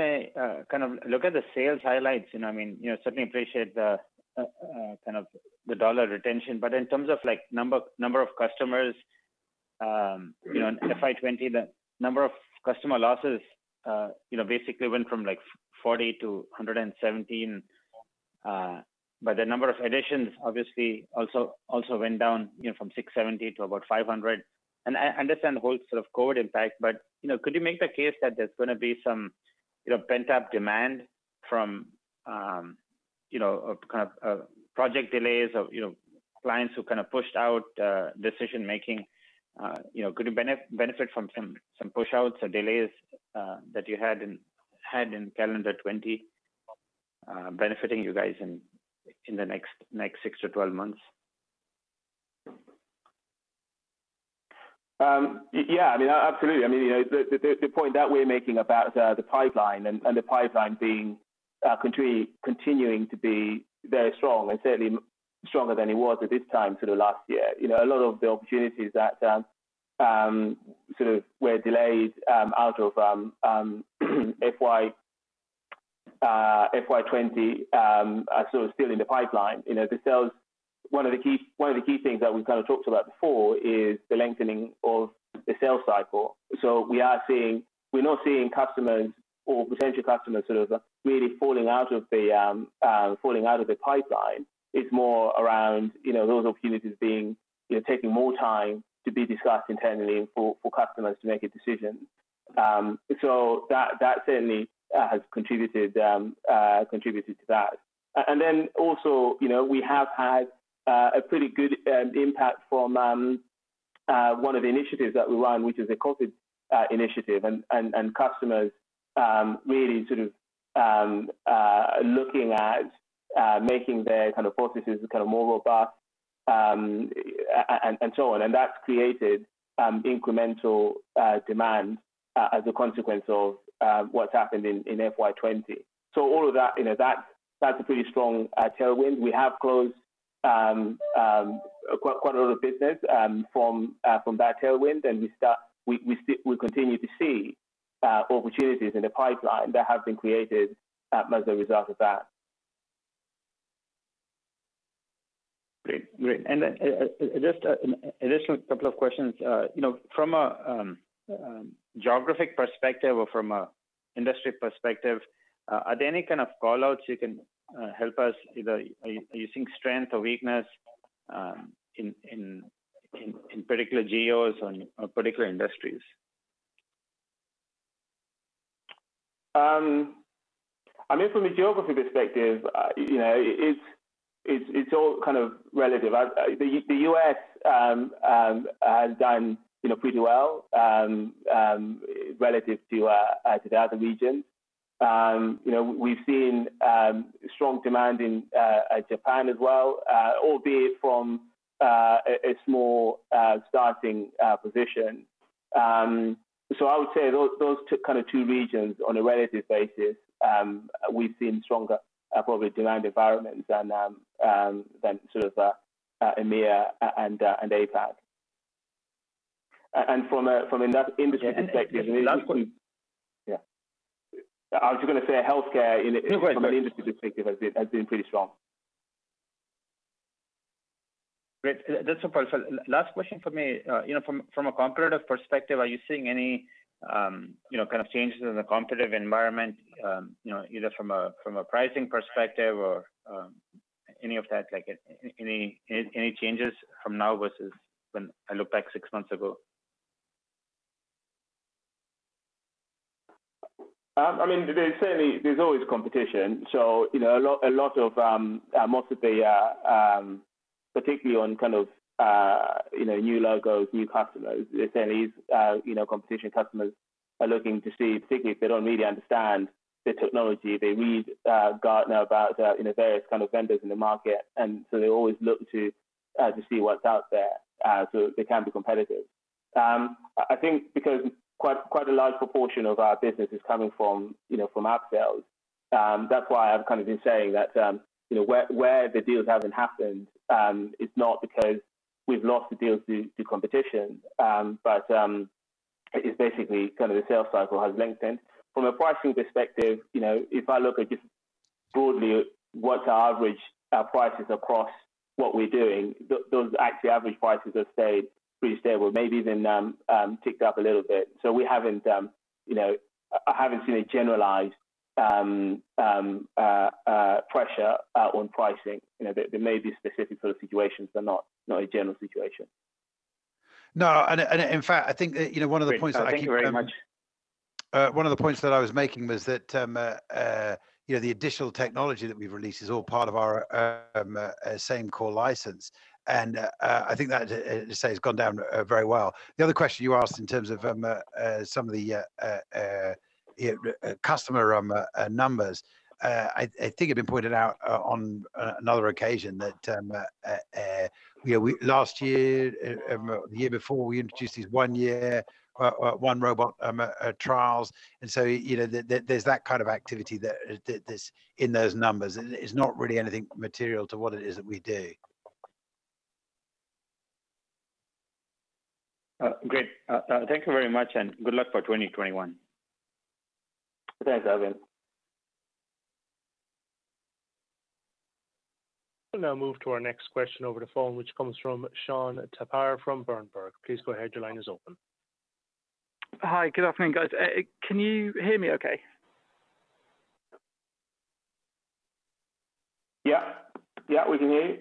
F: I look at the sales highlights, I certainly appreciate the dollar retention, but in terms of number of customers in FY 2020, the number of customer losses basically went from 40 to 117. The number of additions obviously also went down from 670 to about 500. I understand the whole sort of COVID impact, but could you make the case that there's going to be some pent-up demand from project delays of clients who pushed out decision-making? Could you benefit from some push-outs or delays that you had in calendar 2020 benefiting you guys in the next six to 12 months?
B: Yeah, absolutely. The point that we're making about the pipeline and the pipeline continuing to be very strong and certainly stronger than it was at this time last year. A lot of the opportunities that were delayed out of FY20 are still in the pipeline. One of the key things that we've talked about before is the lengthening of the sales cycle. We're not seeing customers or potential customers really falling out of the pipeline. It's more around those opportunities taking more time to be discussed internally for customers to make a decision. That certainly has contributed to that. Also, we have had a pretty good impact from one of the initiatives that we run, which is a COVID initiative, and customers really looking at making their processes more robust and so on. That's created incremental demand as a consequence of what's happened in FY 2020. All of that's a pretty strong tailwind. We have closed quite a lot of business from that tailwind, and we continue to see opportunities in the pipeline that have been created as a result of that.
F: Great. Just an additional couple of questions. From a geographic perspective or from a industry perspective, are there any call-outs you can help us, either are you seeing strength or weakness in particular geos or particular industries?
B: From a geography perspective, it's all relative. The U.S. has done pretty well relative to the other regions. We've seen strong demand in Japan as well, albeit from a small starting position. I would say those two regions, on a relative basis, we've seen stronger probably demand environments than EMEA and APAC. From an industry perspective.
F: Last one.
B: Yeah. I was going to say healthcare in from an industry perspective has been pretty strong.
F: Great. That's helpful. Last question from me. From a competitive perspective, are you seeing any changes in the competitive environment either from a pricing perspective or any of that, any changes from now versus when I look back six months ago?
B: There's always competition. Particularly on new logos, new customers, there's always competition. Customers are looking to see, particularly if they don't really understand the technology, they read Gartner about various vendors in the market. They always look to see what's out there so they can be competitive. I think because quite a large proportion of our business is coming from upsells, that's why I've been saying that where the deals haven't happened, it's not because we've lost the deals to competition, but it's basically the sales cycle has lengthened. From a pricing perspective, if I look at just broadly what the average prices across what we're doing, those actually average prices have stayed pretty stable, maybe even ticked up a little bit. I haven't seen a generalized pressure on pricing. There may be specific situations, but not a general situation.
A: No, in fact, I think one of the points.
F: Great. Thank you very much.
A: One of the points that I was making was that the additional technology that we've released is all part of our same core license. I think that, as you say, has gone down very well. The other question you asked in terms of some of the customer numbers, I think it had been pointed out on another occasion that last year or the year before, we introduced these one-year, one-robot trials. There's that kind of activity that is in those numbers. It's not really anything material to what it is that we do.
F: Great. Thank you very much, and good luck for 2021.
A: Thanks, Arvind.
C: We'll now move to our next question over the phone, which comes from Sean Thapar from Berenberg. Please go ahead, your line is open.
G: Hi. Good afternoon, guys. Can you hear me okay?
A: Yeah, we can hear you.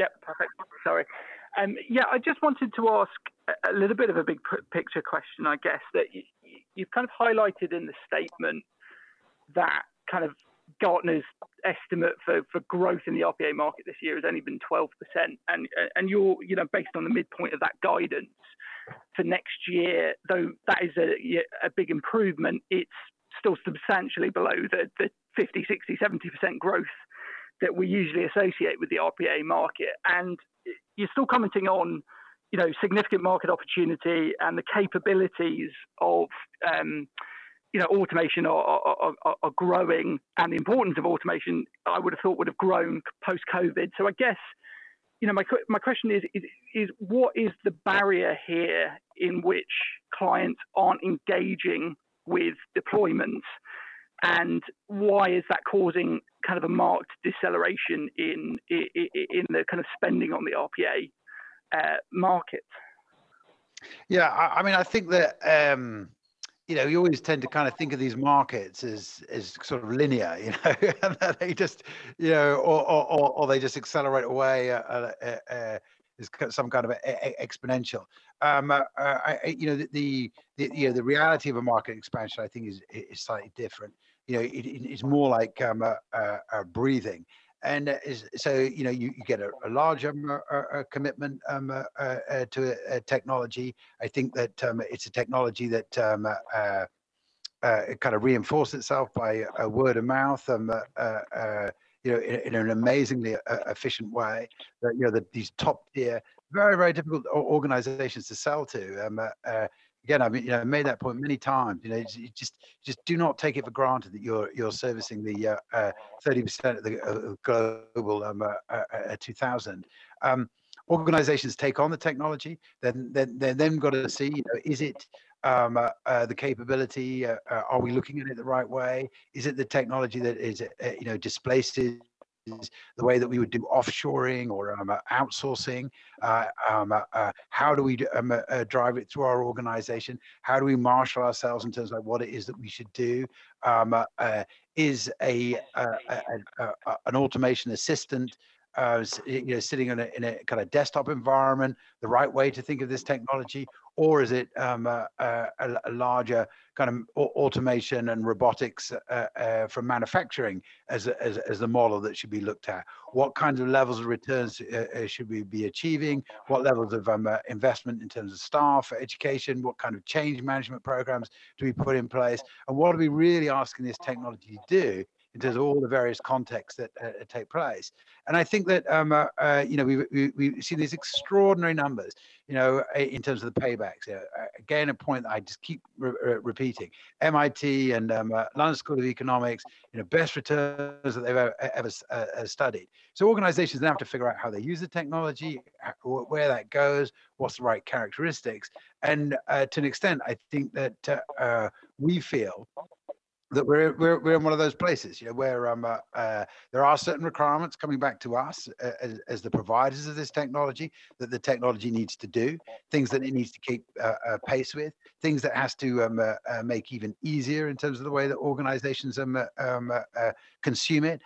G: Yeah. Perfect. Sorry. Yeah, I just wanted to ask a little bit of a big-picture question, I guess. You've kind of highlighted in the statement that Gartner's estimate for growth in the RPA market this year has only been 12%. Based on the midpoint of that guidance for next year, though that is a big improvement, it's still substantially below the 50%, 60%, 70% growth that we usually associate with the RPA market. You're still commenting on significant market opportunity and the capabilities of automation are growing, and the importance of automation, I would've thought would've grown post-COVID. I guess my question is, what is the barrier here in which clients aren't engaging with deployments, and why is that causing a marked deceleration in the kind of spending on the RPA market?
A: Yeah. I think that you always tend to think of these markets as sort of linear or they just accelerate away as some kind of exponential. The reality of a market expansion, I think, is slightly different. It's more like breathing. You get a larger commitment to a technology. I think that it's a technology that kind of reinforce itself by word of mouth in an amazingly efficient way. That these top-tier, very difficult organizations to sell to. Again, I made that point many times. Just do not take it for granted that you're servicing the 30% of the Global 2000. Organizations take on the technology, they've then got to see is it the capability? Are we looking at it the right way? Is it the technology that displaces the way that we would do offshoring or outsourcing? How do we drive it through our organization? How do we marshal ourselves in terms of what it is that we should do? Is an automation assistant sitting in a kind of desktop environment the right way to think of this technology, or is it a larger kind of automation and robotics from manufacturing as the model that should be looked at? What kinds of levels of returns should we be achieving? What levels of investment in terms of staff, education? What kind of change management programs do we put in place? What are we really asking this technology to do in terms of all the various contexts that take place? I think that we see these extraordinary numbers in terms of the paybacks. Again, a point that I just keep repeating. MIT and London School of Economics, best returns that they've ever studied. Organizations now have to figure out how they use the technology, where that goes, what's the right characteristics. To an extent, I think that we feel that we're in one of those places where there are certain requirements coming back to us as the providers of this technology that the technology needs to do, things that it needs to keep pace with, things that it has to make even easier in terms of the way that organizations consume it.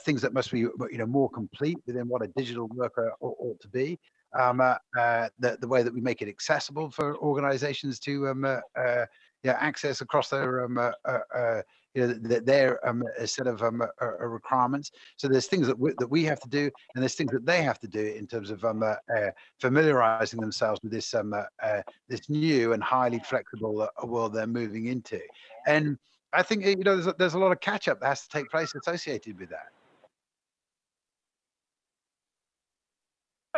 A: Things that must be more complete within what a digital worker ought to be. The way that we make it accessible for organizations to access across their set of requirements. There's things that we have to do, and there's things that they have to do in terms of familiarizing themselves with this new and highly flexible world they're moving into. I think there's a lot of catch-up that has to take place associated with that.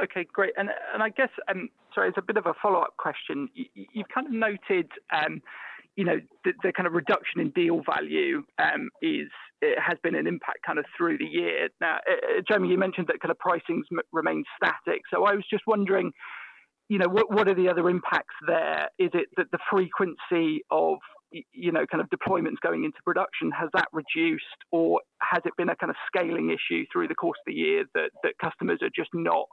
G: Okay, great. I guess, sorry, it's a bit of a follow-up question. You've kind of noted the kind of reduction in deal value has been an impact kind of through the year. Jason, you mentioned that kind of pricings remain static. I was just wondering what are the other impacts there? Is it that the frequency of deployments going into production, has that reduced, or has it been a kind of scaling issue through the course of the year that customers are just not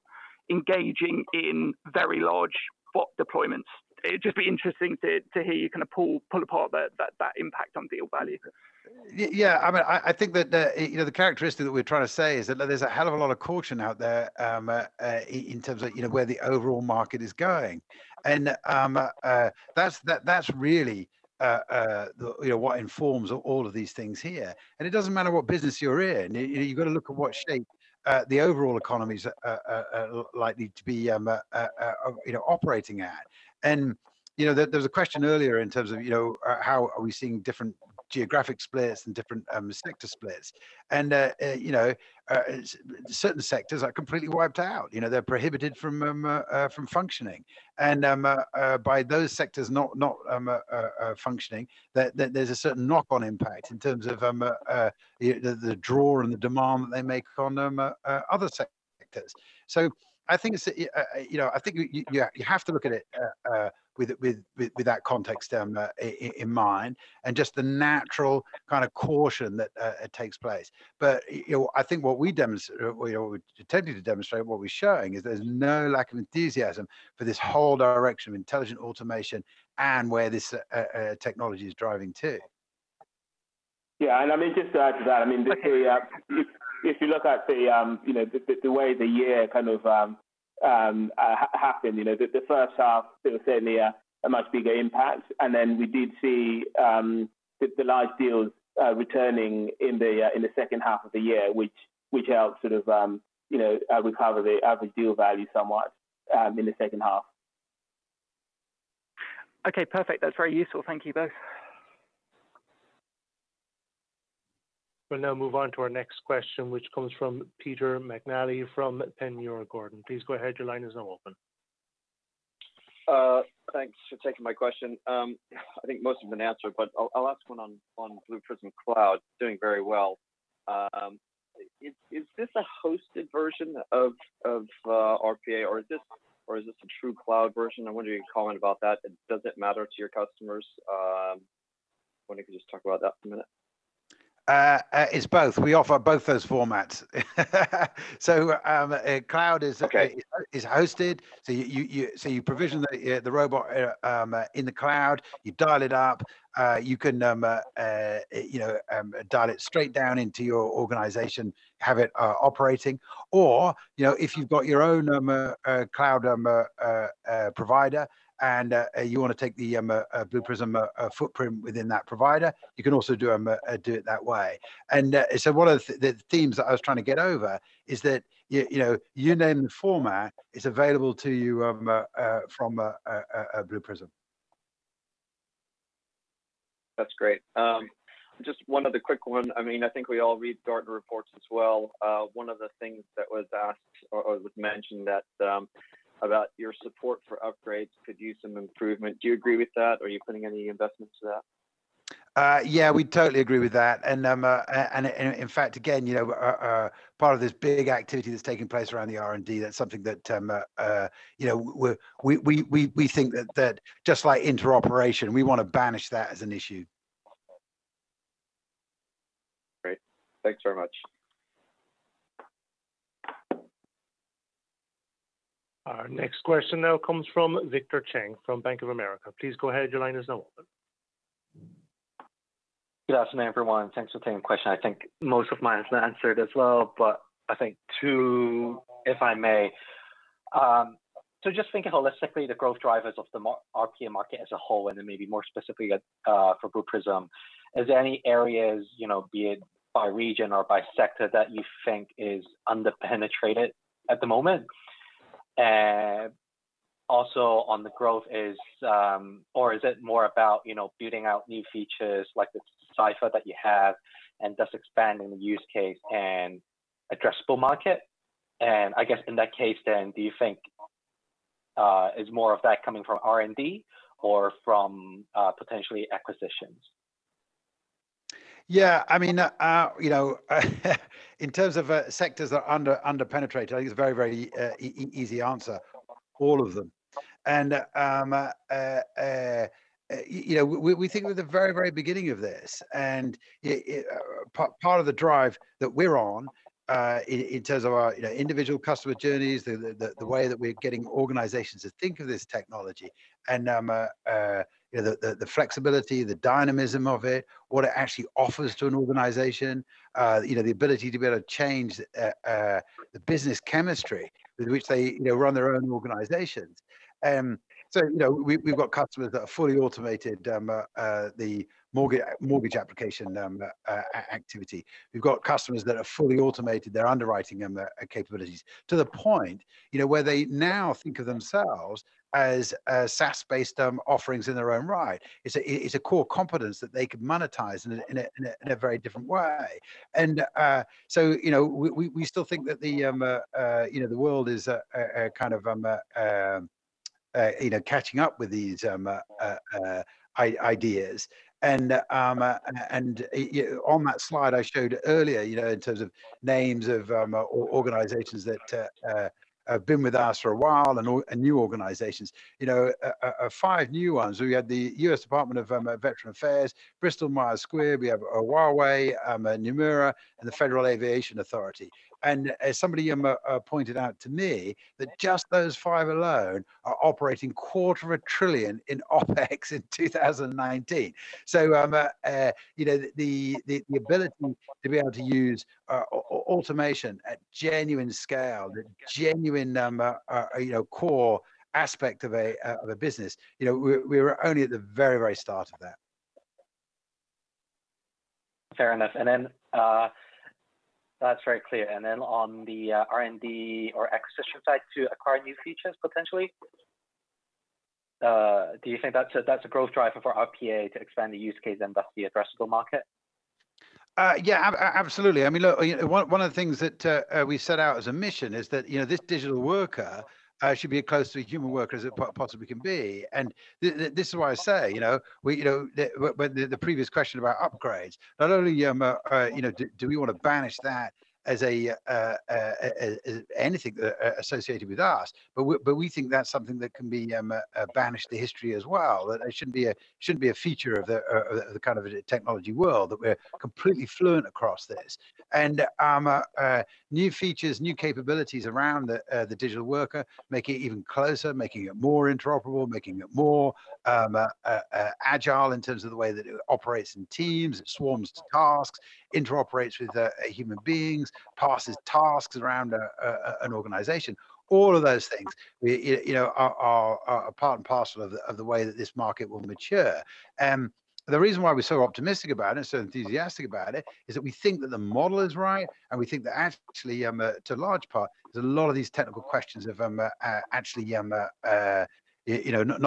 G: engaging in very large bot deployments? It'd just be interesting to hear you pull apart that impact on deal value.
A: I think that the characteristic that we're trying to say is that there's a hell of a lot of caution out there in terms of where the overall market is going. That's really what informs all of these things here. It doesn't matter what business you're in, you've got to look at what state the overall economy's likely to be operating at. There was a question earlier in terms of how are we seeing different geographic splits and different sector splits. Certain sectors are completely wiped out. They're prohibited from functioning. By those sectors not functioning, there's a certain knock-on impact in terms of the draw and the demand that they make on other sectors. I think you have to look at it with that context in mind, and just the natural caution that takes place. I think what we're attempting to demonstrate and what we're showing is there's no lack of enthusiasm for this whole direction of intelligent automation and where this technology is driving to.
B: Yeah, just to add to that, if you look at the way the year happened. The first half, there was certainly a much bigger impact, and then we did see the large deals returning in the second half of the year, which helped recover the average deal value somewhat in the second half.
G: Okay, perfect. That's very useful. Thank you both.
C: We'll now move on to our next question, which comes from Peter McNally from Panmure Gordon. Please go ahead, your line is now open.
H: Thanks for taking my question. I think most have been answered, but I'll ask one on Blue Prism Cloud. Doing very well. Is this a hosted version of RPA, or is this a true cloud version? I'm wondering your comment about that, and does it matter to your customers? Wondering if you could just talk about that for a minute.
A: It's both. We offer both those formats. Cloud is hosted. You provision the robot in the cloud. You dial it up. You can dial it straight down into your organization, have it operating. If you've got your own cloud provider and you want to take the Blue Prism footprint within that provider, you can also do it that way. One of the themes that I was trying to get over is that you name the format, it's available to you from Blue Prism.
H: That's great. Just one other quick one. I think we all read Gartner reports as well. One of the things that was asked, or was mentioned, about your support for upgrades could use some improvement. Do you agree with that? Are you putting any investments to that?
A: Yeah, we totally agree with that. In fact, again, part of this big activity that's taking place around the R&D, that's something that we think that just like interoperation, we want to banish that as an issue.
H: Great. Thanks very much.
C: Our next question now comes from Victor Cheng from Bank of America. Please go ahead, your line is now open.
I: Good afternoon, everyone. Thanks for taking the question. I think most of mine is answered as well, but I think two, if I may. Just thinking holistically, the growth drivers of the RPA market as a whole and then maybe more specifically for Blue Prism, is there any areas, be it by region or by sector, that you think is under-penetrated at the moment? Also on the growth, or is it more about building out new features like Decipher that you have, and thus expanding the use case and addressable market? I guess in that case then, do you think is more of that coming from R&D or from potentially acquisitions?
A: Yeah. In terms of sectors that are under-penetrated, I think it's a very easy answer. All of them. We think we're at the very beginning of this, part of the drive that we're on in terms of our individual customer journeys, the way that we're getting organizations to think of this technology, the flexibility, the dynamism of it, what it actually offers to an organization. The ability to be able to change the business chemistry with which they run their own organizations. We've got customers that have fully automated the mortgage application activity. We've got customers that have fully automated their underwriting capabilities to the point where they now think of themselves as SaaS-based offerings in their own right. It's a core competence that they could monetize in a very different way. We still think that the world is catching up with these ideas. On that slide I showed earlier in terms of names of organizations that have been with us for a while and new organizations. Five new ones. We had the U.S. Department of Veterans Affairs, Bristol Myers Squibb, we have Huawei, Nomura, and the Federal Aviation Administration. As somebody pointed out to me, that just those five alone are operating quarter of a trillion in OpEx in 2019. The ability to be able to use automation at genuine scale, the genuine core aspect of a business, we are only at the very start of that.
I: Fair enough. That's very clear. On the R&D or acquisition side to acquire new features, potentially, do you think that's a growth driver for RPA to expand the use case and thus the addressable market?
A: Yeah, absolutely. One of the things that we set out as a mission is that this Digital Worker should be as close to a human worker as it possibly can be. This is why I say, the previous question about upgrades, not only do we want to banish that as anything associated with us, but we think that's something that can be banished to history as well, that it shouldn't be a feature of the technology world, that we're completely fluent across this. New features, new capabilities around the Digital Worker, making it even closer, making it more interoperable, making it more agile in terms of the way that it operates in teams, it swarms to tasks, interoperates with human beings, passes tasks around an organization. All of those things are part and parcel of the way that this market will mature. The reason why we're so optimistic about it and so enthusiastic about it is that we think that the model is right, and we think that actually, to a large part, there's a lot of these technical questions of actually, not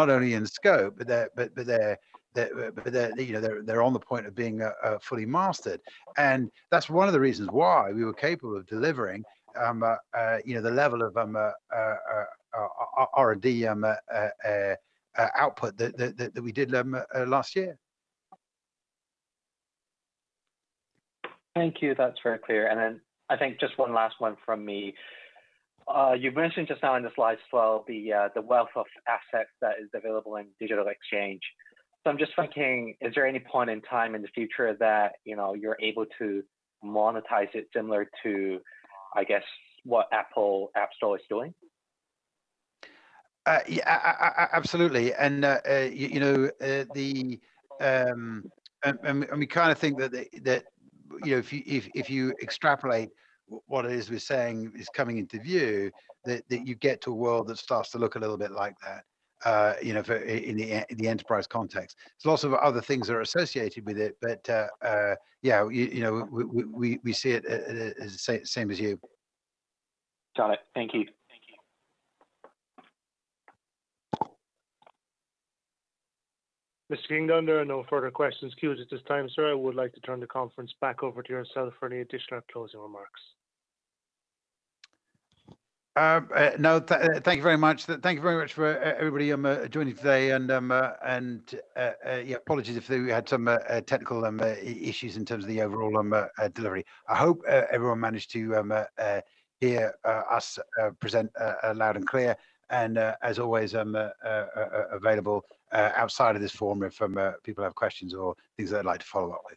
A: only in scope, but they're on the point of being fully mastered. That's one of the reasons why we were capable of delivering the level of R&D output that we did last year.
I: Thank you. That's very clear. I think just one last one from me. You've mentioned just now in the slides as well, the wealth of assets that is available in Digital Exchange. I'm just thinking, is there any point in time in the future that you're able to monetize it similar to, I guess, what Apple App Store is doing?
A: Yeah, absolutely. We think that if you extrapolate what it is we're saying is coming into view, that you get to a world that starts to look a little bit like that in the enterprise context. There's lots of other things that are associated with it, but yeah, we see it the same as you.
I: Got it. Thank you.
C: Mr. Kingdon, there are no further questions queued at this time, sir. I would like to turn the conference back over to yourself for any additional closing remarks.
A: Thank you very much. Thank you very much for everybody joining today. Apologies if we had some technical issues in terms of the overall delivery. I hope everyone managed to hear us present loud and clear. As always, I'm available outside of this forum if people have questions or things they'd like to follow up with.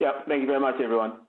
B: Yep. Thank you very much, everyone.